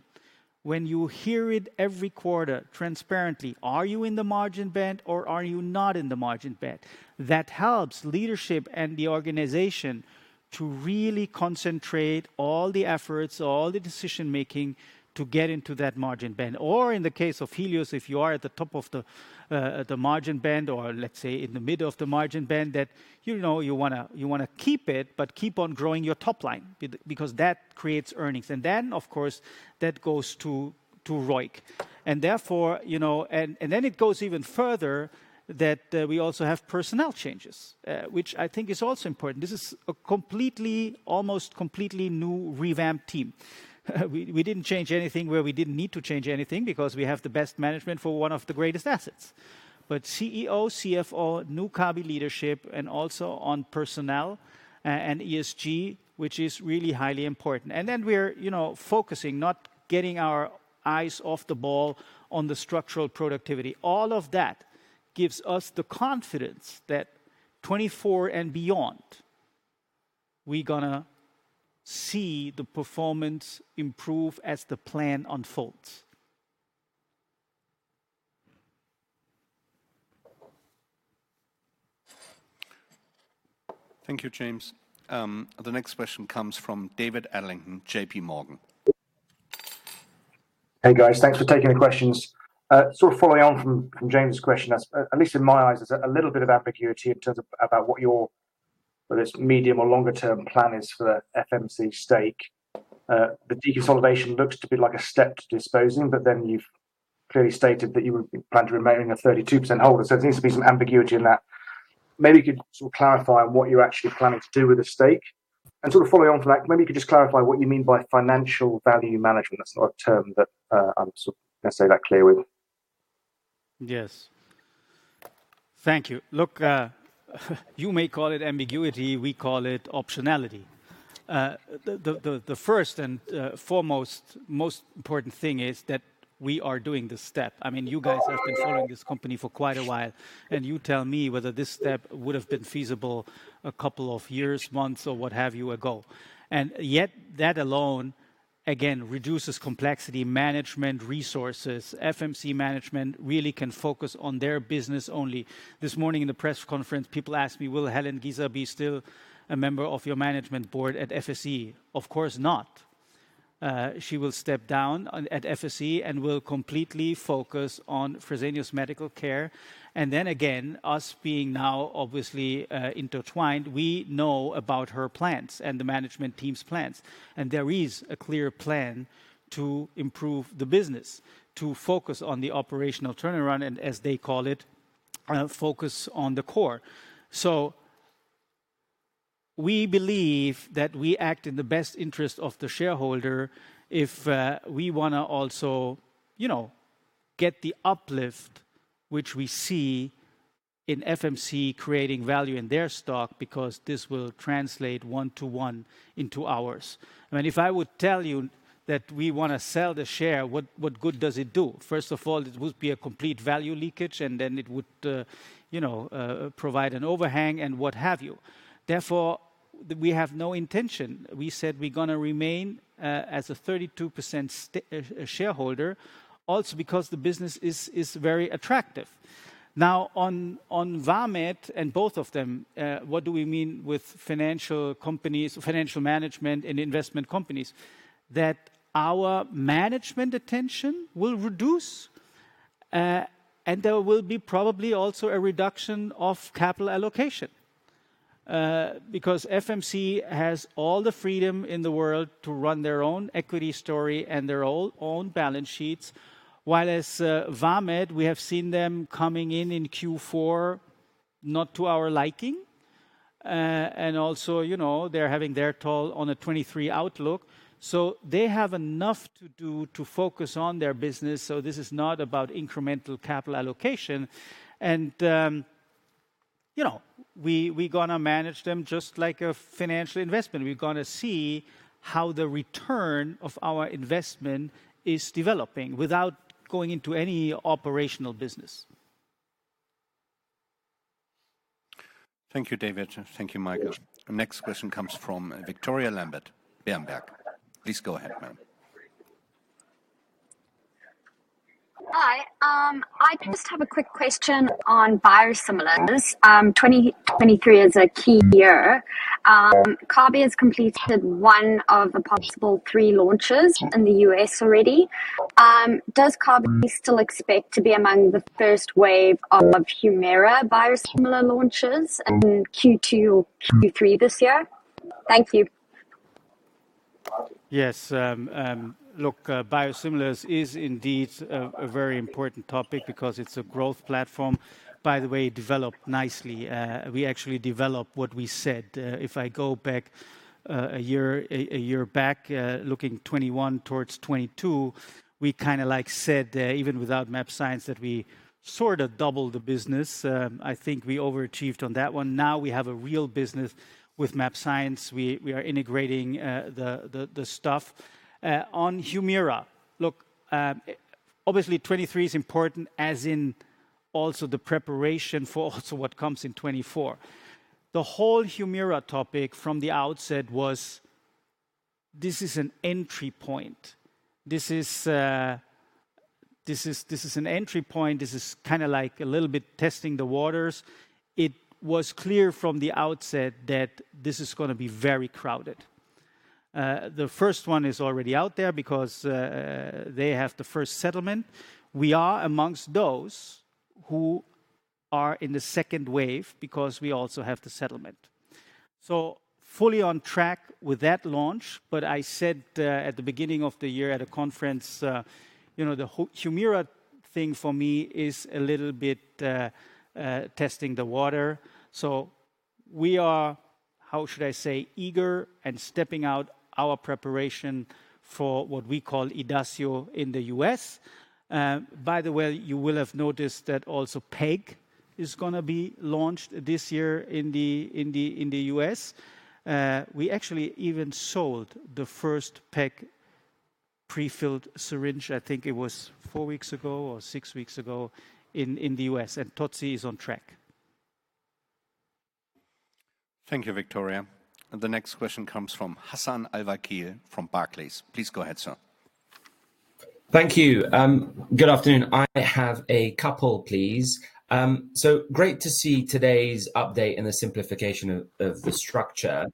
When you hear it every quarter transparently, are you in the margin band or are you not in the margin band? That helps leadership and the organization to really concentrate all the efforts, all the decision-making to get into that margin band. In the case of Helios, if you are at the top of the margin band or let's say in the middle of the margin band, that, you know, you wanna, you wanna keep it, but keep on growing your top line because that creates earnings. Then, of course, that goes to ROIC. Therefore, you know. Then it goes even further that we also have personnel changes, which I think is also important. This is a completely, almost completely new revamped team. We didn't change anything where we didn't need to change anything because we have the best management for one of the greatest assets. CEO, CFO, new Kabi leadership, and also on personnel, and ESG, which is really highly important. We're, you know, focusing, not getting our eyes off the ball on the structural productivity. All of that gives us the confidence that 2024 and beyond. We're gonna see the performance improve as the plan unfolds. Thank you, James. The next question comes from David Adlington, JPMorgan. Hey, guys. Thanks for taking the questions. Sort of following on from James' question, at least in my eyes, there's a little bit of ambiguity in terms of about what your, whether it's medium or longer-term plan is for the FMC stake. The deconsolidation looks to be like a step to disposing, but then you've clearly stated that you would be planning to remain a 32% holder. There needs to be some ambiguity in that. Maybe you could sort of clarify what you're actually planning to do with the stake. Sort of following on from that, maybe you could just clarify what you mean by financial value management. That's not a term that I'm sort of necessarily that clear with. Yes. Thank you. Look, you may call it ambiguity, we call it optionality. The first and foremost most important thing is that we are doing this step. I mean, you guys have been following this company for quite a while, and you tell me whether this step would have been feasible a couple of years, months, or what have you ago. Yet that alone, again, reduces complexity management resources. FMC management really can focus on their business only. This morning in the press conference, people ask me, "Will Helen Giza be still a member of your management board at FSE?" Of course not. She will step down at FSE and will completely focus on Fresenius Medical Care. Then again, us being now obviously intertwined, we know about her plans and the management team's plans. There is a clear plan to improve the business, to focus on the operational turnaround and as they call it, focus on the core. We believe that we act in the best interest of the shareholder if we wanna also, you know, get the uplift which we see in FMC creating value in their stock because this will translate one-to-one into ours. If I would tell you that we wanna sell the share, what good does it do? First of all, it would be a complete value leakage, and then it would, you know, provide an overhang and what have you. We have no intention. We said we're gonna remain as a 32% shareholder, also because the business is very attractive. On Vamed and both of them, what do we mean with financial companies, financial management, and investment companies? That our management attention will reduce, and there will be probably also a reduction of capital allocation. Because FMC has all the freedom in the world to run their own equity story and their own balance sheets. While as Vamed, we have seen them coming in in Q4 not to our liking. And also, you know, they're having their toll on the 2023 outlook. So they have enough to do to focus on their business, so this is not about incremental capital allocation. You know, we're gonna manage them just like a financial investment. We're gonna see how the return of our investment is developing without going into any operational business. Thank you, David. Thank you, Michael. The next question comes from Victoria Lambert, Berenberg. Please go ahead, ma'am. Hi. I just have a quick question on biosimilars. 2023 is a key year. Kabi has completed one of the possible three launches in the U.S. already. Does Kabi still expect to be among the first wave of Humira biosimilar launches in Q2 or Q3 this year? Thank you. Yes, biosimilars is indeed a very important topic because it's a growth platform, by the way, developed nicely. We actually developed what we said. If I go back a year, a year back, looking 2021 towards 2022, we said even without mAbxience, that we doubled the business. I think we overachieved on that one. Now we have a real business with mAbxience. We are integrating the stuff. On Humira. Obviously 2023 is important as in also the preparation for also what comes in 2024. The whole Humira topic from the outset was, this is an entry point. This is an entry point. This is a little bit testing the waters. It was clear from the outset that this is gonna be very crowded. The first one is already out there because they have the first settlement. We are among those who are in the second wave because we also have the settlement. Fully on track with that launch. I said, at the beginning of the year at a conference, you know, the Humira thing for me is a little bit testing the water. We are, how should I say, eager and stepping out our preparation for what we call Idacio in the U.S. By the way, you will have noticed that also PEG is gonna be launched this year in the U.S. We actually even sold the first PEG-pre-filled syringe, I think it was 4 weeks ago or 6 weeks ago in the U.S. Tyenne is on track. Thank you, Victoria. The next question comes from Hassan Al-Wakeel from Barclays. Please go ahead, sir. Thank you. Good afternoon. I have a couple, please. Great to see today's update and the simplification of the structure.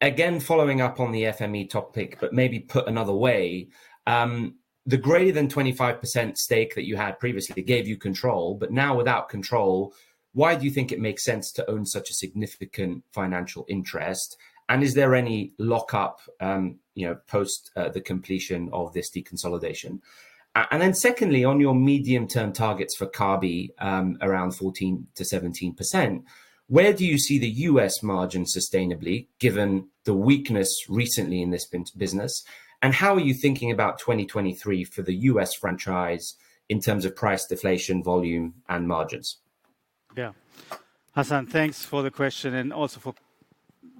Again, following up on the FME topic, but maybe put another way, the greater than 25% stake that you had previously that gave you control, but now without control, why do you think it makes sense to own such a significant financial interest? Secondly, on your medium-term targets for Kabi, around 14%-17%, where do you see the U.S. margin sustainably, given the weakness recently in this business? How are you thinking about 2023 for the U.S. franchise in terms of price deflation, volume, and margins? Yeah. Hassan, thanks for the question and also for,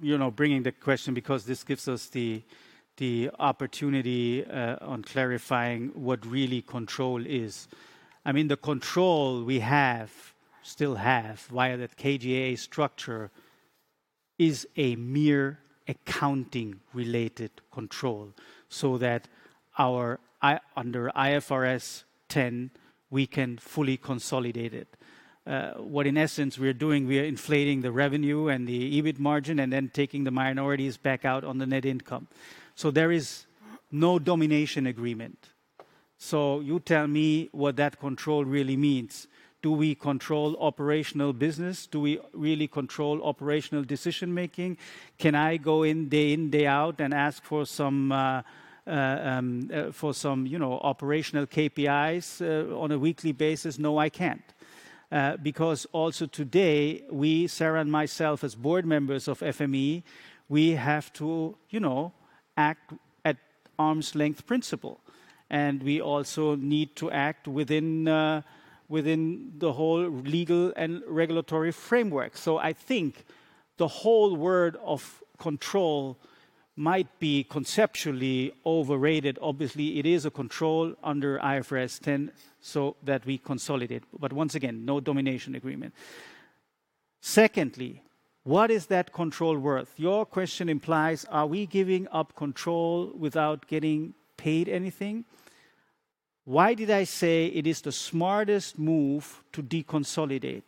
you know, bringing the question because this gives us the opportunity on clarifying what really control is. I mean, the control we have, still have via that KGaA structure is a mere accounting related control, so that under IFRS 10 we can fully consolidate it. What in essence we are doing, we are inflating the revenue and the EBIT margin and then taking the minorities back out on the net income. There is no domination agreement. You tell me what that control really means. Do we control operational business? Do we really control operational decision-making? Can I go in day in, day out, and ask for some, you know, operational KPIs on a weekly basis? No, I can't. Because also today, we, Sara and myself, as board members of FME, we have to, you know, act at arm's length principle. We also need to act within the whole legal and regulatory framework. I think the whole word of control might be conceptually overrated. Obviously, it is a control under IFRS 10 so that we consolidate. Once again, no domination agreement. Secondly, what is that control worth? Your question implies, are we giving up control without getting paid anything? Why did I say it is the smartest move to deconsolidate?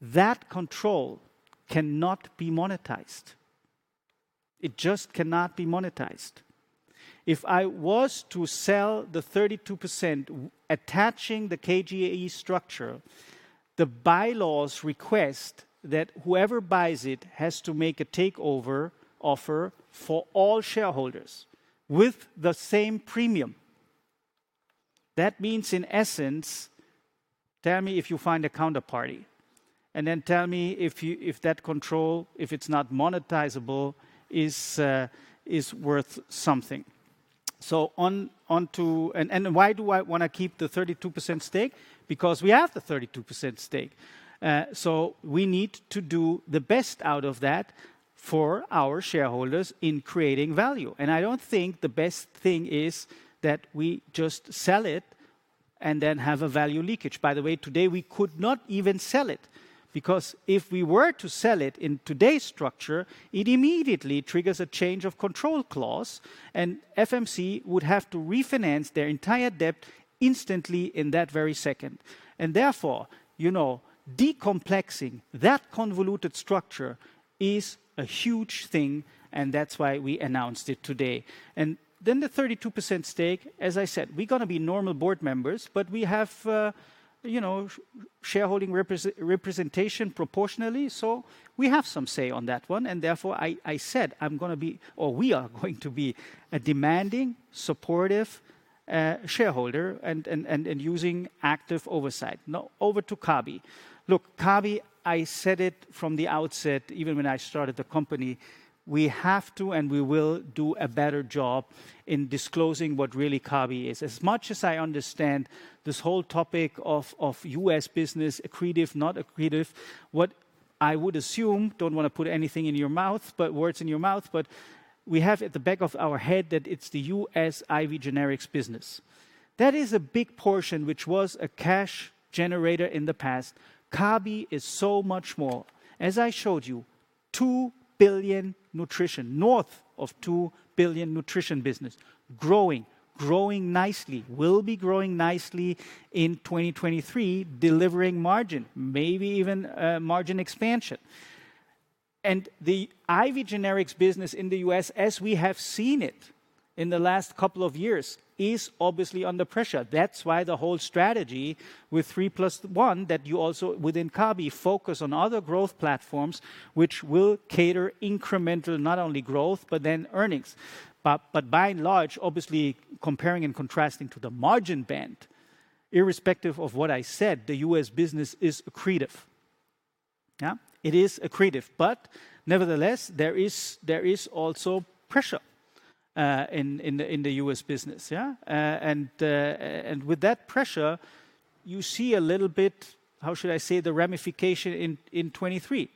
That control cannot be monetized. It just cannot be monetized. If I was to sell the 32% attaching the KGaA structure, the bylaws request that whoever buys it has to make a takeover offer for all shareholders with the same premium. That means, in essence, tell me if you find a counterparty, and then tell me if that control, if it's not monetizable, is worth something. Why do I wanna keep the 32% stake? Because we have the 32% stake. We need to do the best out of that for our shareholders in creating value. I don't think the best thing is that we just sell it and then have a value leakage. By the way, today we could not even sell it because if we were to sell it in today's structure, it immediately triggers a change of control clause, and FMC would have to refinance their entire debt instantly in that very second. Therefore, you know, decomplexing that convoluted structure is a huge thing, and that's why we announced it today. The 32% stake, as I said, we're gonna be normal board members, but we have, you know, shareholding representation proportionally, we have some say on that one, I said, I'm gonna be or we are going to be a demanding, supportive shareholder and using active oversight. Over to Kabi. Kabi, I said it from the outset, even when I started the company, we have to and we will do a better job in disclosing what really Kabi is. As much as I understand this whole topic of US business, accretive, not accretive, what I would assume, don't wanna put anything in your mouth, words in your mouth, we have at the back of our head that it's the US IV Generics business. That is a big portion, which was a cash generator in the past. Kabi is so much more. As I showed you, 2 billion nutrition, north of 2 billion nutrition business growing nicely, will be growing nicely in 2023, delivering margin, maybe even margin expansion. The IV Generics business in the U.S., as we have seen it in the last couple of years, is obviously under pressure. That's why the whole (3+1) Strategy, that you also within Kabi focus on other growth platforms which will cater incremental, not only growth, but then earnings. By and large, obviously comparing and contrasting to the margin band, irrespective of what I said, the U.S. business is accretive. Yeah. It is accretive. Nevertheless, there is also pressure in the U.S. business, yeah. With that pressure. You see a little bit, how should I say, the ramification in 2023.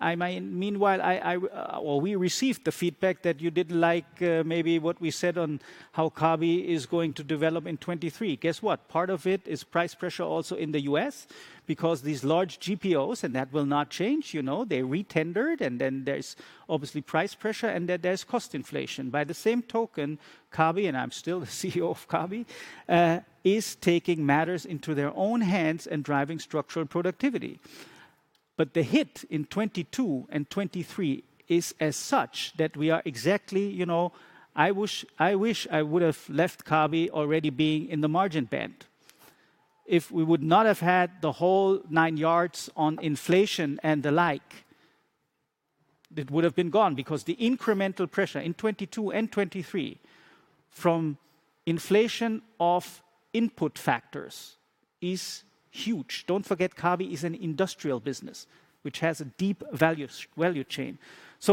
Meanwhile, well, we received the feedback that you didn't like maybe what we said on how Kabi is going to develop in 2023. Guess what? Part of it is price pressure also in the US because these large GPOs, and that will not change, you know. They re-tendered, and then there's obviously price pressure, and then there's cost inflation. By the same token, Kabi, and I'm still the CEO of Kabi, is taking matters into their own hands and driving structural productivity. The hit in 2022 and 2023 is as such that we are exactly, you know... I wish, I wish I would've left Kabi already being in the margin band. If we would not have had the whole nine yards on inflation and the like, it would've been gone because the incremental pressure in 2022 and 2023 from inflation of input factors is huge. Don't forget Kabi is an industrial business which has a deep value chain.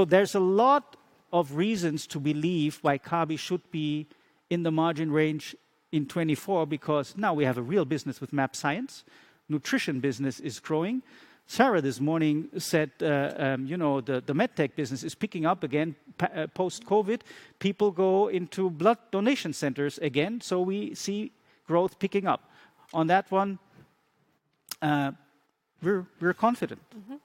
There's a lot of reasons to believe why Kabi should be in the margin range in 2024 because now we have a real business with mAbxience, nutrition business is growing. Sara this morning said, you know, the MedTech business is picking up again post-COVID. People go into blood donation centers again, so we see growth picking up. On that one, we're confident. Mm-hmm.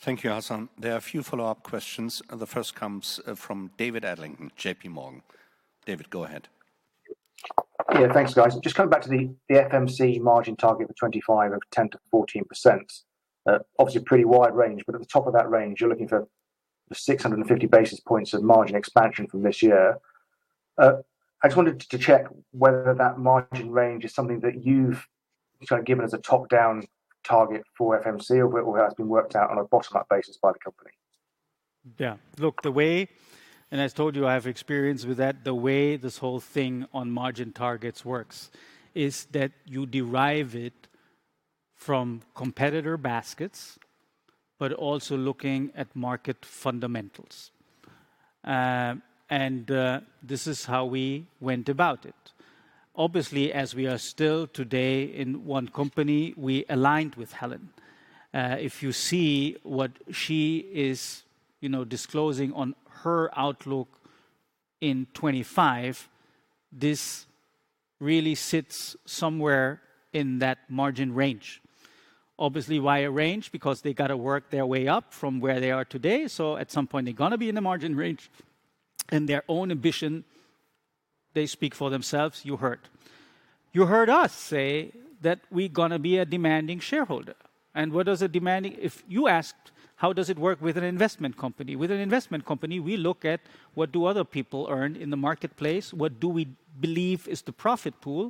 Thank you, Hassan. There are a few follow-up questions. The first comes from David Adlington, J.P. Morgan. David, go ahead. Yeah. Thanks, guys. Just coming back to the FMC margin target for 2025 of 10%-14%. Obviously pretty wide range, but at the top of that range you're looking for 650 basis points of margin expansion from this year. I just wanted to check whether that margin range is something that you've sort of given as a top-down target for FMC or has been worked out on a bottom-up basis by the company. Yeah. Look, the way... I told you I have experience with that. The way this whole thing on margin targets works is that you derive it from competitor baskets, but also looking at market fundamentals. This is how we went about it. Obviously, as we are still today in one company, we aligned with Helen. If you see what she is, you know, disclosing on her outlook in 2025, this really sits somewhere in that margin range. Obviously, why a range? Because they gotta work their way up from where they are today, so at some point they're gonna be in the margin range. Their own ambition, they speak for themselves, you heard. You heard us say that we're gonna be a demanding shareholder. If you asked, how does it work with an investment company? With an investment company, we look at what do other people earn in the marketplace, what do we believe is the profit pool,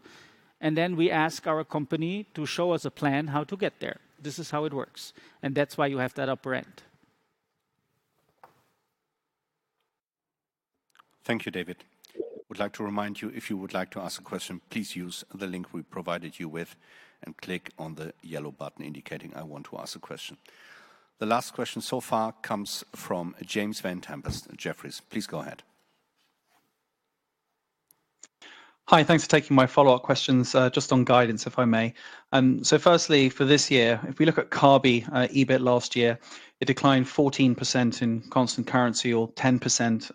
and then we ask our company to show us a plan how to get there. This is how it works, and that's why you have that upper end. Thank you, David. Would like to remind you, if you would like to ask a question, please use the link we provided you with and click on the yellow button indicating, "I want to ask a question." The last question so far comes from James Vane-Tempest at Jefferies. Please go ahead. Hi. Thanks for taking my follow-up questions, just on guidance, if I may. Firstly, for this year, if we look at Kabi, EBIT last year, it declined 14% in constant currency or 10%,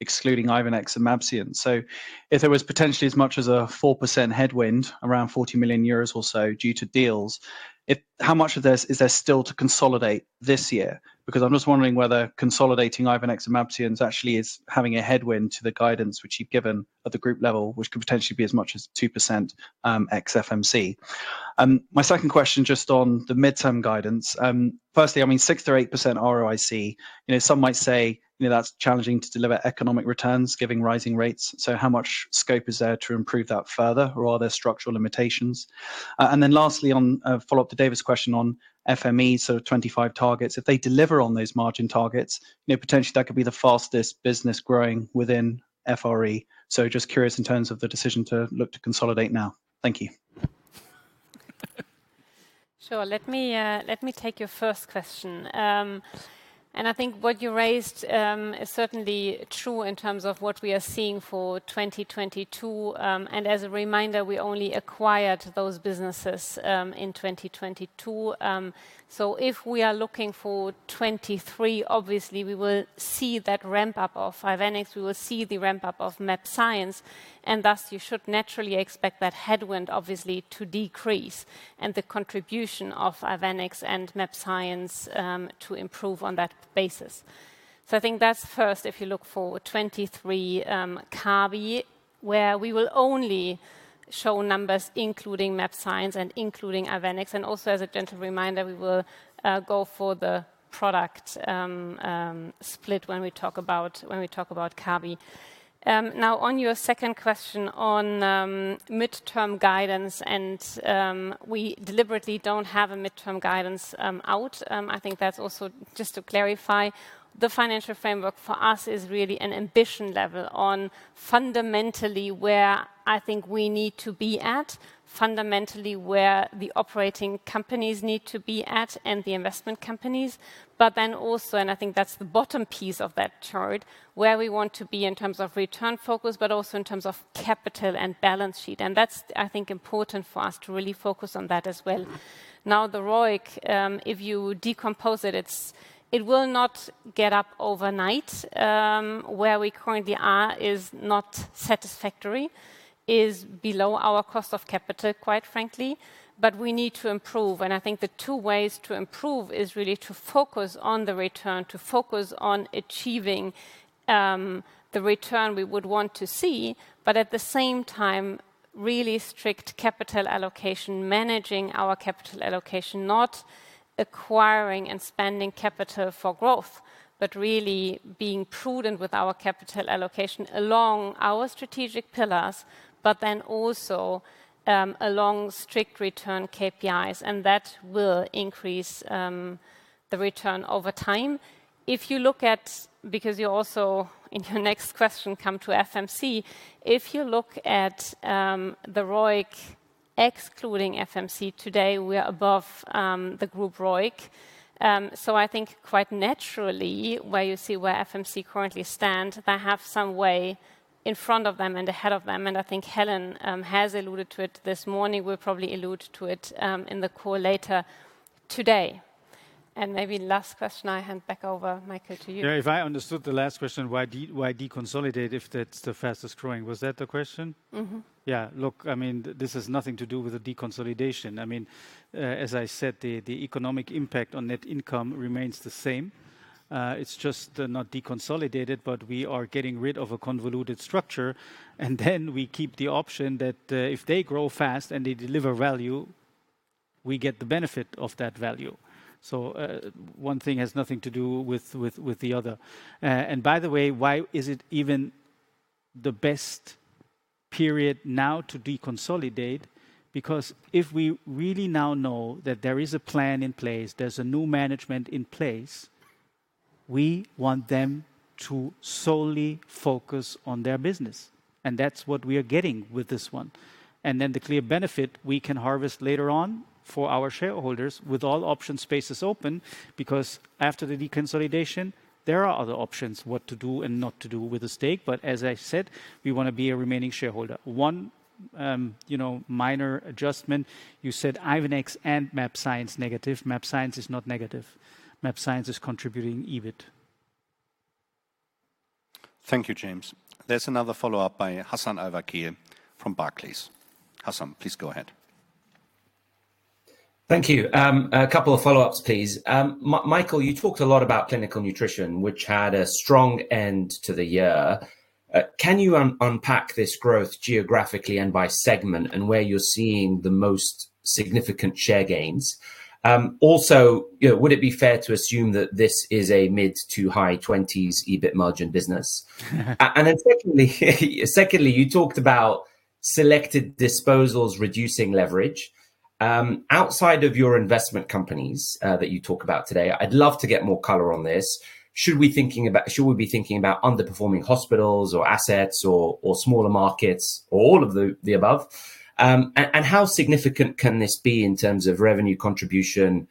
excluding Ivenix and mAbxience. If there was potentially as much as a 4% headwind, around 40 million euros or so due to deals, how much of this is there still to consolidate this year? Because I'm just wondering whether consolidating Ivenix and mAbxience actually is having a headwind to the guidance which you've given at the group level, which could potentially be as much as 2%, ex FMC. My second question just on the midterm guidance. Firstly, I mean, 6%-8% ROIC, you know, some might say, you know, that's challenging to deliver economic returns given rising rates. How much scope is there to improve that further, or are there structural limitations? Lastly, on a follow-up to David's question on FME, 2025 targets. If they deliver on those margin targets, you know, potentially that could be the fastest business growing within FRE. Just curious in terms of the decision to look to consolidate now. Thank you. Sure. Let me take your first question. I think what you raised is certainly true in terms of what we are seeing for 2022. As a reminder, we only acquired those businesses in 2022. If we are looking for 2023, obviously we will see that ramp-up of Ivenix, we will see the ramp-up of mAbxience, and thus you should naturally expect that headwind obviously to decrease, and the contribution of Ivenix and mAbxience to improve on that basis. I think that's first, if you look for 2023, Kabi, where we will only show numbers including mAbxience and including Ivenix. Also as a gentle reminder, we will go for the product split when we talk about Kabi. Now on your second question on midterm guidance and we deliberately don't have a midterm guidance out. I think that's also just to clarify, the financial framework for us is really an ambition level on fundamentally where I think we need to be at, fundamentally where the operating companies need to be at, and the investment companies. Also, and I think that's the bottom piece of that chart, where we want to be in terms of return focus, but also in terms of capital and balance sheet, and that's, I think, important for us to really focus on that as well. Now, the ROIC, if you decompose it will not get up overnight. Where we currently are is not satisfactory. Is below our cost of capital, quite frankly, but we need to improve. I think the two ways to improve is really to focus on the return, to focus on achieving the return we would want to see, but at the same time, really strict capital allocation, managing our capital allocation, not acquiring and spending capital for growth, but really being prudent with our capital allocation along our strategic pillars, but then also along strict return KPI's. That will increase the return over time. Because you also, in your next question, come to FMC. If you look at the ROIC excluding FMC today, we are above the group ROIC. I think quite naturally, where you see where FMC currently stand, they have some way in front of them and ahead of them, and I think Helen has alluded to it this morning, will probably allude to it in the call later today. Maybe last question, I hand back over, Michael, to you. Yeah, if I understood the last question, why deconsolidate if that's the fastest growing? Was that the question? Mm-hmm. Yeah. Look, I mean, this has nothing to do with the deconsolidation. I mean, as I said, the economic impact on net income remains the same. It's just not deconsolidated, but we are getting rid of a convoluted structure, and then we keep the option that if they grow fast and they deliver value, we get the benefit of that value. One thing has nothing to do with the other. By the way, why is it even the best period now to deconsolidate? Because if we really now know that there is a plan in place, there's a new management in place, we want them to solely focus on their business, and that's what we are getting with this one. The clear benefit we can harvest later on for our shareholders with all option spaces open, because after the deconsolidation, there are other options what to do and not to do with the stake. As I said, we wanna be a remaining shareholder. One, you know, minor adjustment, you said Ivenix and mAbxience negative. mAbxience is not negative. mAbxience is contributing EBIT. Thank you, James. There's another follow-up by Hassan Al-Wakeel from Barclays. Hassan, please go ahead. Thank you. A couple of follow-ups, please. Michael, you talked a lot about Clinical Nutrition, which had a strong end to the year. Can you unpack this growth geographically and by segment and where you're seeing the most significant share gains? Also, you know, would it be fair to assume that this is a mid to high 20's EBIT margin business? Then secondly, you talked about selected disposals reducing leverage. Outside of your investment companies that you talk about today, I'd love to get more color on this. Should we be thinking about underperforming hospitals or assets or smaller markets or all of the above? And how significant can this be in terms of revenue contribution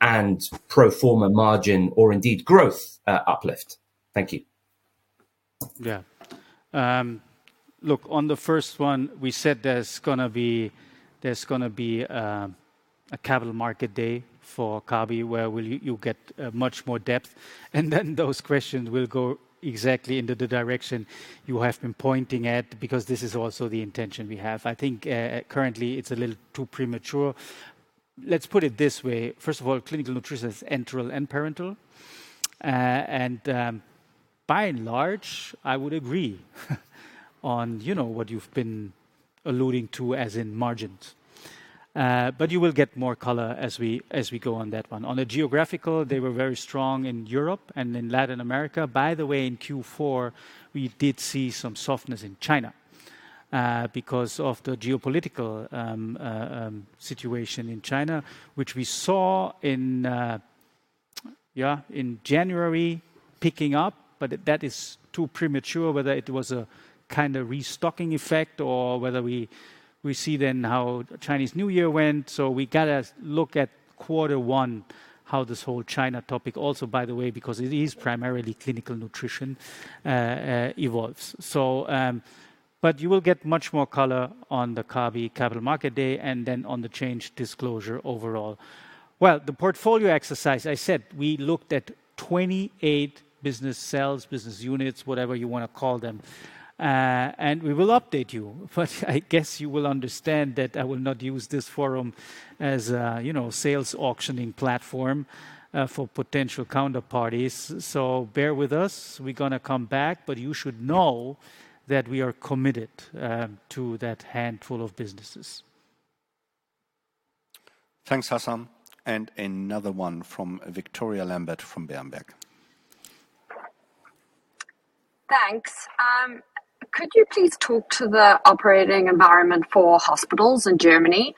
and pro forma margin or indeed growth uplift? Thank you. Yeah. Look, on the first one, we said there's gonna be a capital market day for Kabi, where you'll get much more depth. Those questions will go exactly into the direction you have been pointing at, because this is also the intention we have. I think currently it's a little too premature. Let's put it this way, first of all, Clinical Nutrition is enteral and parenteral. By and large, I would agree on, you know, what you've been alluding to as in margins. You will get more color as we go on that one. On the geographical, they were very strong in Europe and in Latin America. In Q4, we did see some softness in China because of the geopolitical situation in China, which we saw in January picking up, but that is too premature whether it was a kinda restocking effect or whether we see then how Chinese New Year went. We gotta look at quarter one, how this whole China topic also, by the way, because it is primarily Clinical Nutrition evolves. But you will get much more color on the Kabi capital market day and then on the change disclosure overall. The portfolio exercise, I said we looked at 28 business sales, business units, whatever you wanna call them. We will update you, but I guess you will understand that I will not use this forum as a, you know, sales auctioning platform for potential counterparties. Bear with us. We're gonna come back, but you should know that we are committed to that handful of businesses. Thanks, Hassan. Another one from Victoria Lambert from Berenberg. Thanks. Could you please talk to the operating environment for hospitals in Germany?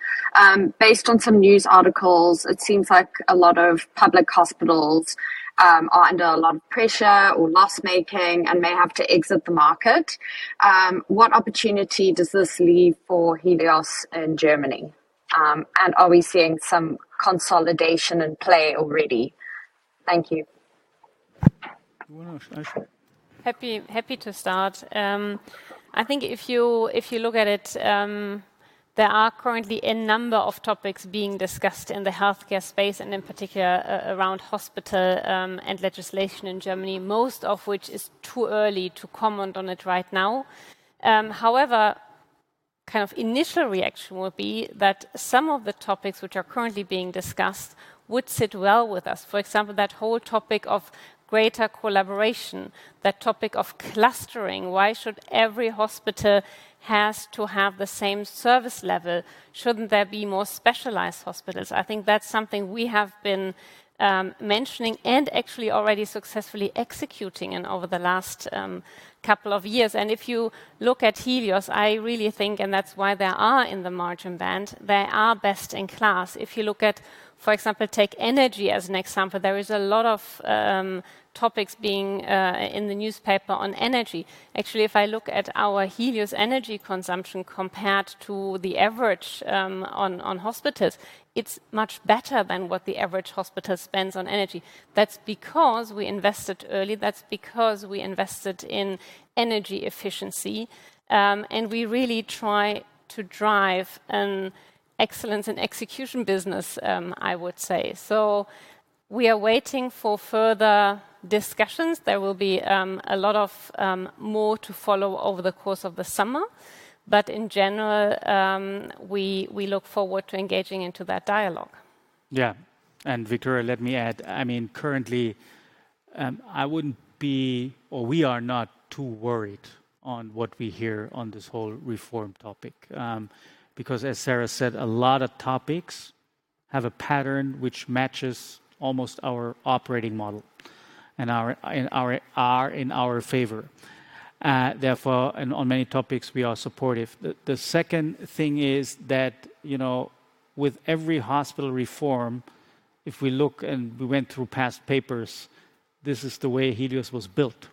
Based on some news articles, it seems like a lot of public hospitals are under a lot of pressure or loss-making and may have to exit the market. What opportunity does this leave for Helios in Germany? Are we seeing some consolidation in play already? Thank you. Who wanna answer? Happy to start. I think if you look at it, there are currently a number of topics being discussed in the healthcare space, and in particular around hospital and legislation in Germany, most of which is too early to comment on it right now. Kind of initial reaction will be that some of the topics which are currently being discussed would sit well with us. For example, that whole topic of greater collaboration, that topic of clustering, why should every hospital has to have the same service level? Shouldn't there be more specialized hospitals? I think that's something we have been mentioning and actually already successfully executing in over the last couple of years. If you look at Helios, I really think, and that's why they are in the margin band, they are best in class. If you look at, for example, take energy as an example, there is a lot of topics being in the newspaper on energy. Actually, if I look at our Helios energy consumption compared to the average, on hospitals, it's much better than what the average hospital spends on energy. That's because we invested early. That's because we invested in energy efficiency. We really try to drive an excellence in execution business, I would say. We are waiting for further discussions. There will be a lot of more to follow over the course of the summer. In general, we look forward to engaging into that dialogue. Yeah. Victoria, let me add, I mean, currently, I wouldn't be or we are not too worried on what we hear on this whole reform topic. Because as Sara Hennicken said, a lot of topics have a pattern which matches almost our operating model and are in our favor. Therefore, on many topics, we are supportive. The second thing is that, you know, with every hospital reform, if we look and we went through past papers, this is the way Helios was built,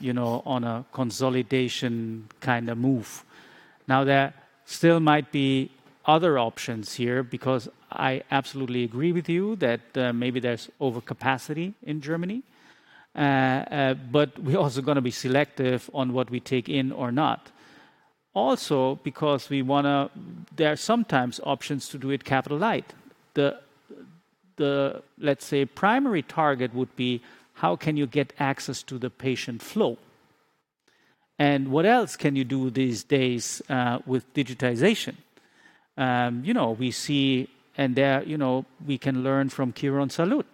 you know, on a consolidation kinda move. Now, there still might be other options here because I absolutely agree with you that maybe there's overcapacity in Germany. We're also gonna be selective on what we take in or not. Also, because there are sometimes options to do it capital light. The, let's say, primary target would be, how can you get access to the patient flow? What else can you do these days with digitization? You know, we see and there, you know, we can learn from Quirónsalud,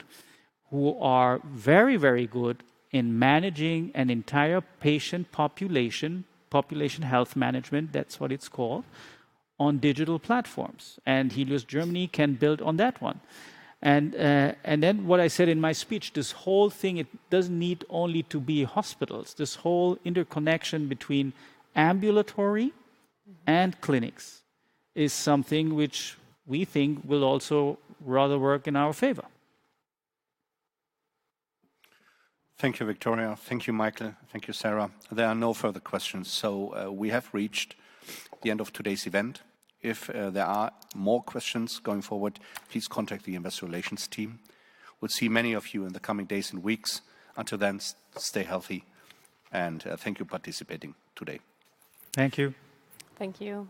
who are very, very good in managing an entire patient population health management, that's what it's called, on digital platforms. Helios Germany can build on that one. Then what I said in my speech, this whole thing, it doesn't need only to be hospitals. This whole interconnection between ambulatory and clinics is something which we think will also rather work in our favor. Thank you, Victoria. Thank you, Michael. Thank you, Sara. There are no further questions. We have reached the end of today's event. If there are more questions going forward, please contact the investor relations team. We'll see many of you in the coming days and weeks. Until then, stay healthy, and thank you participating today. Thank you. Thank you.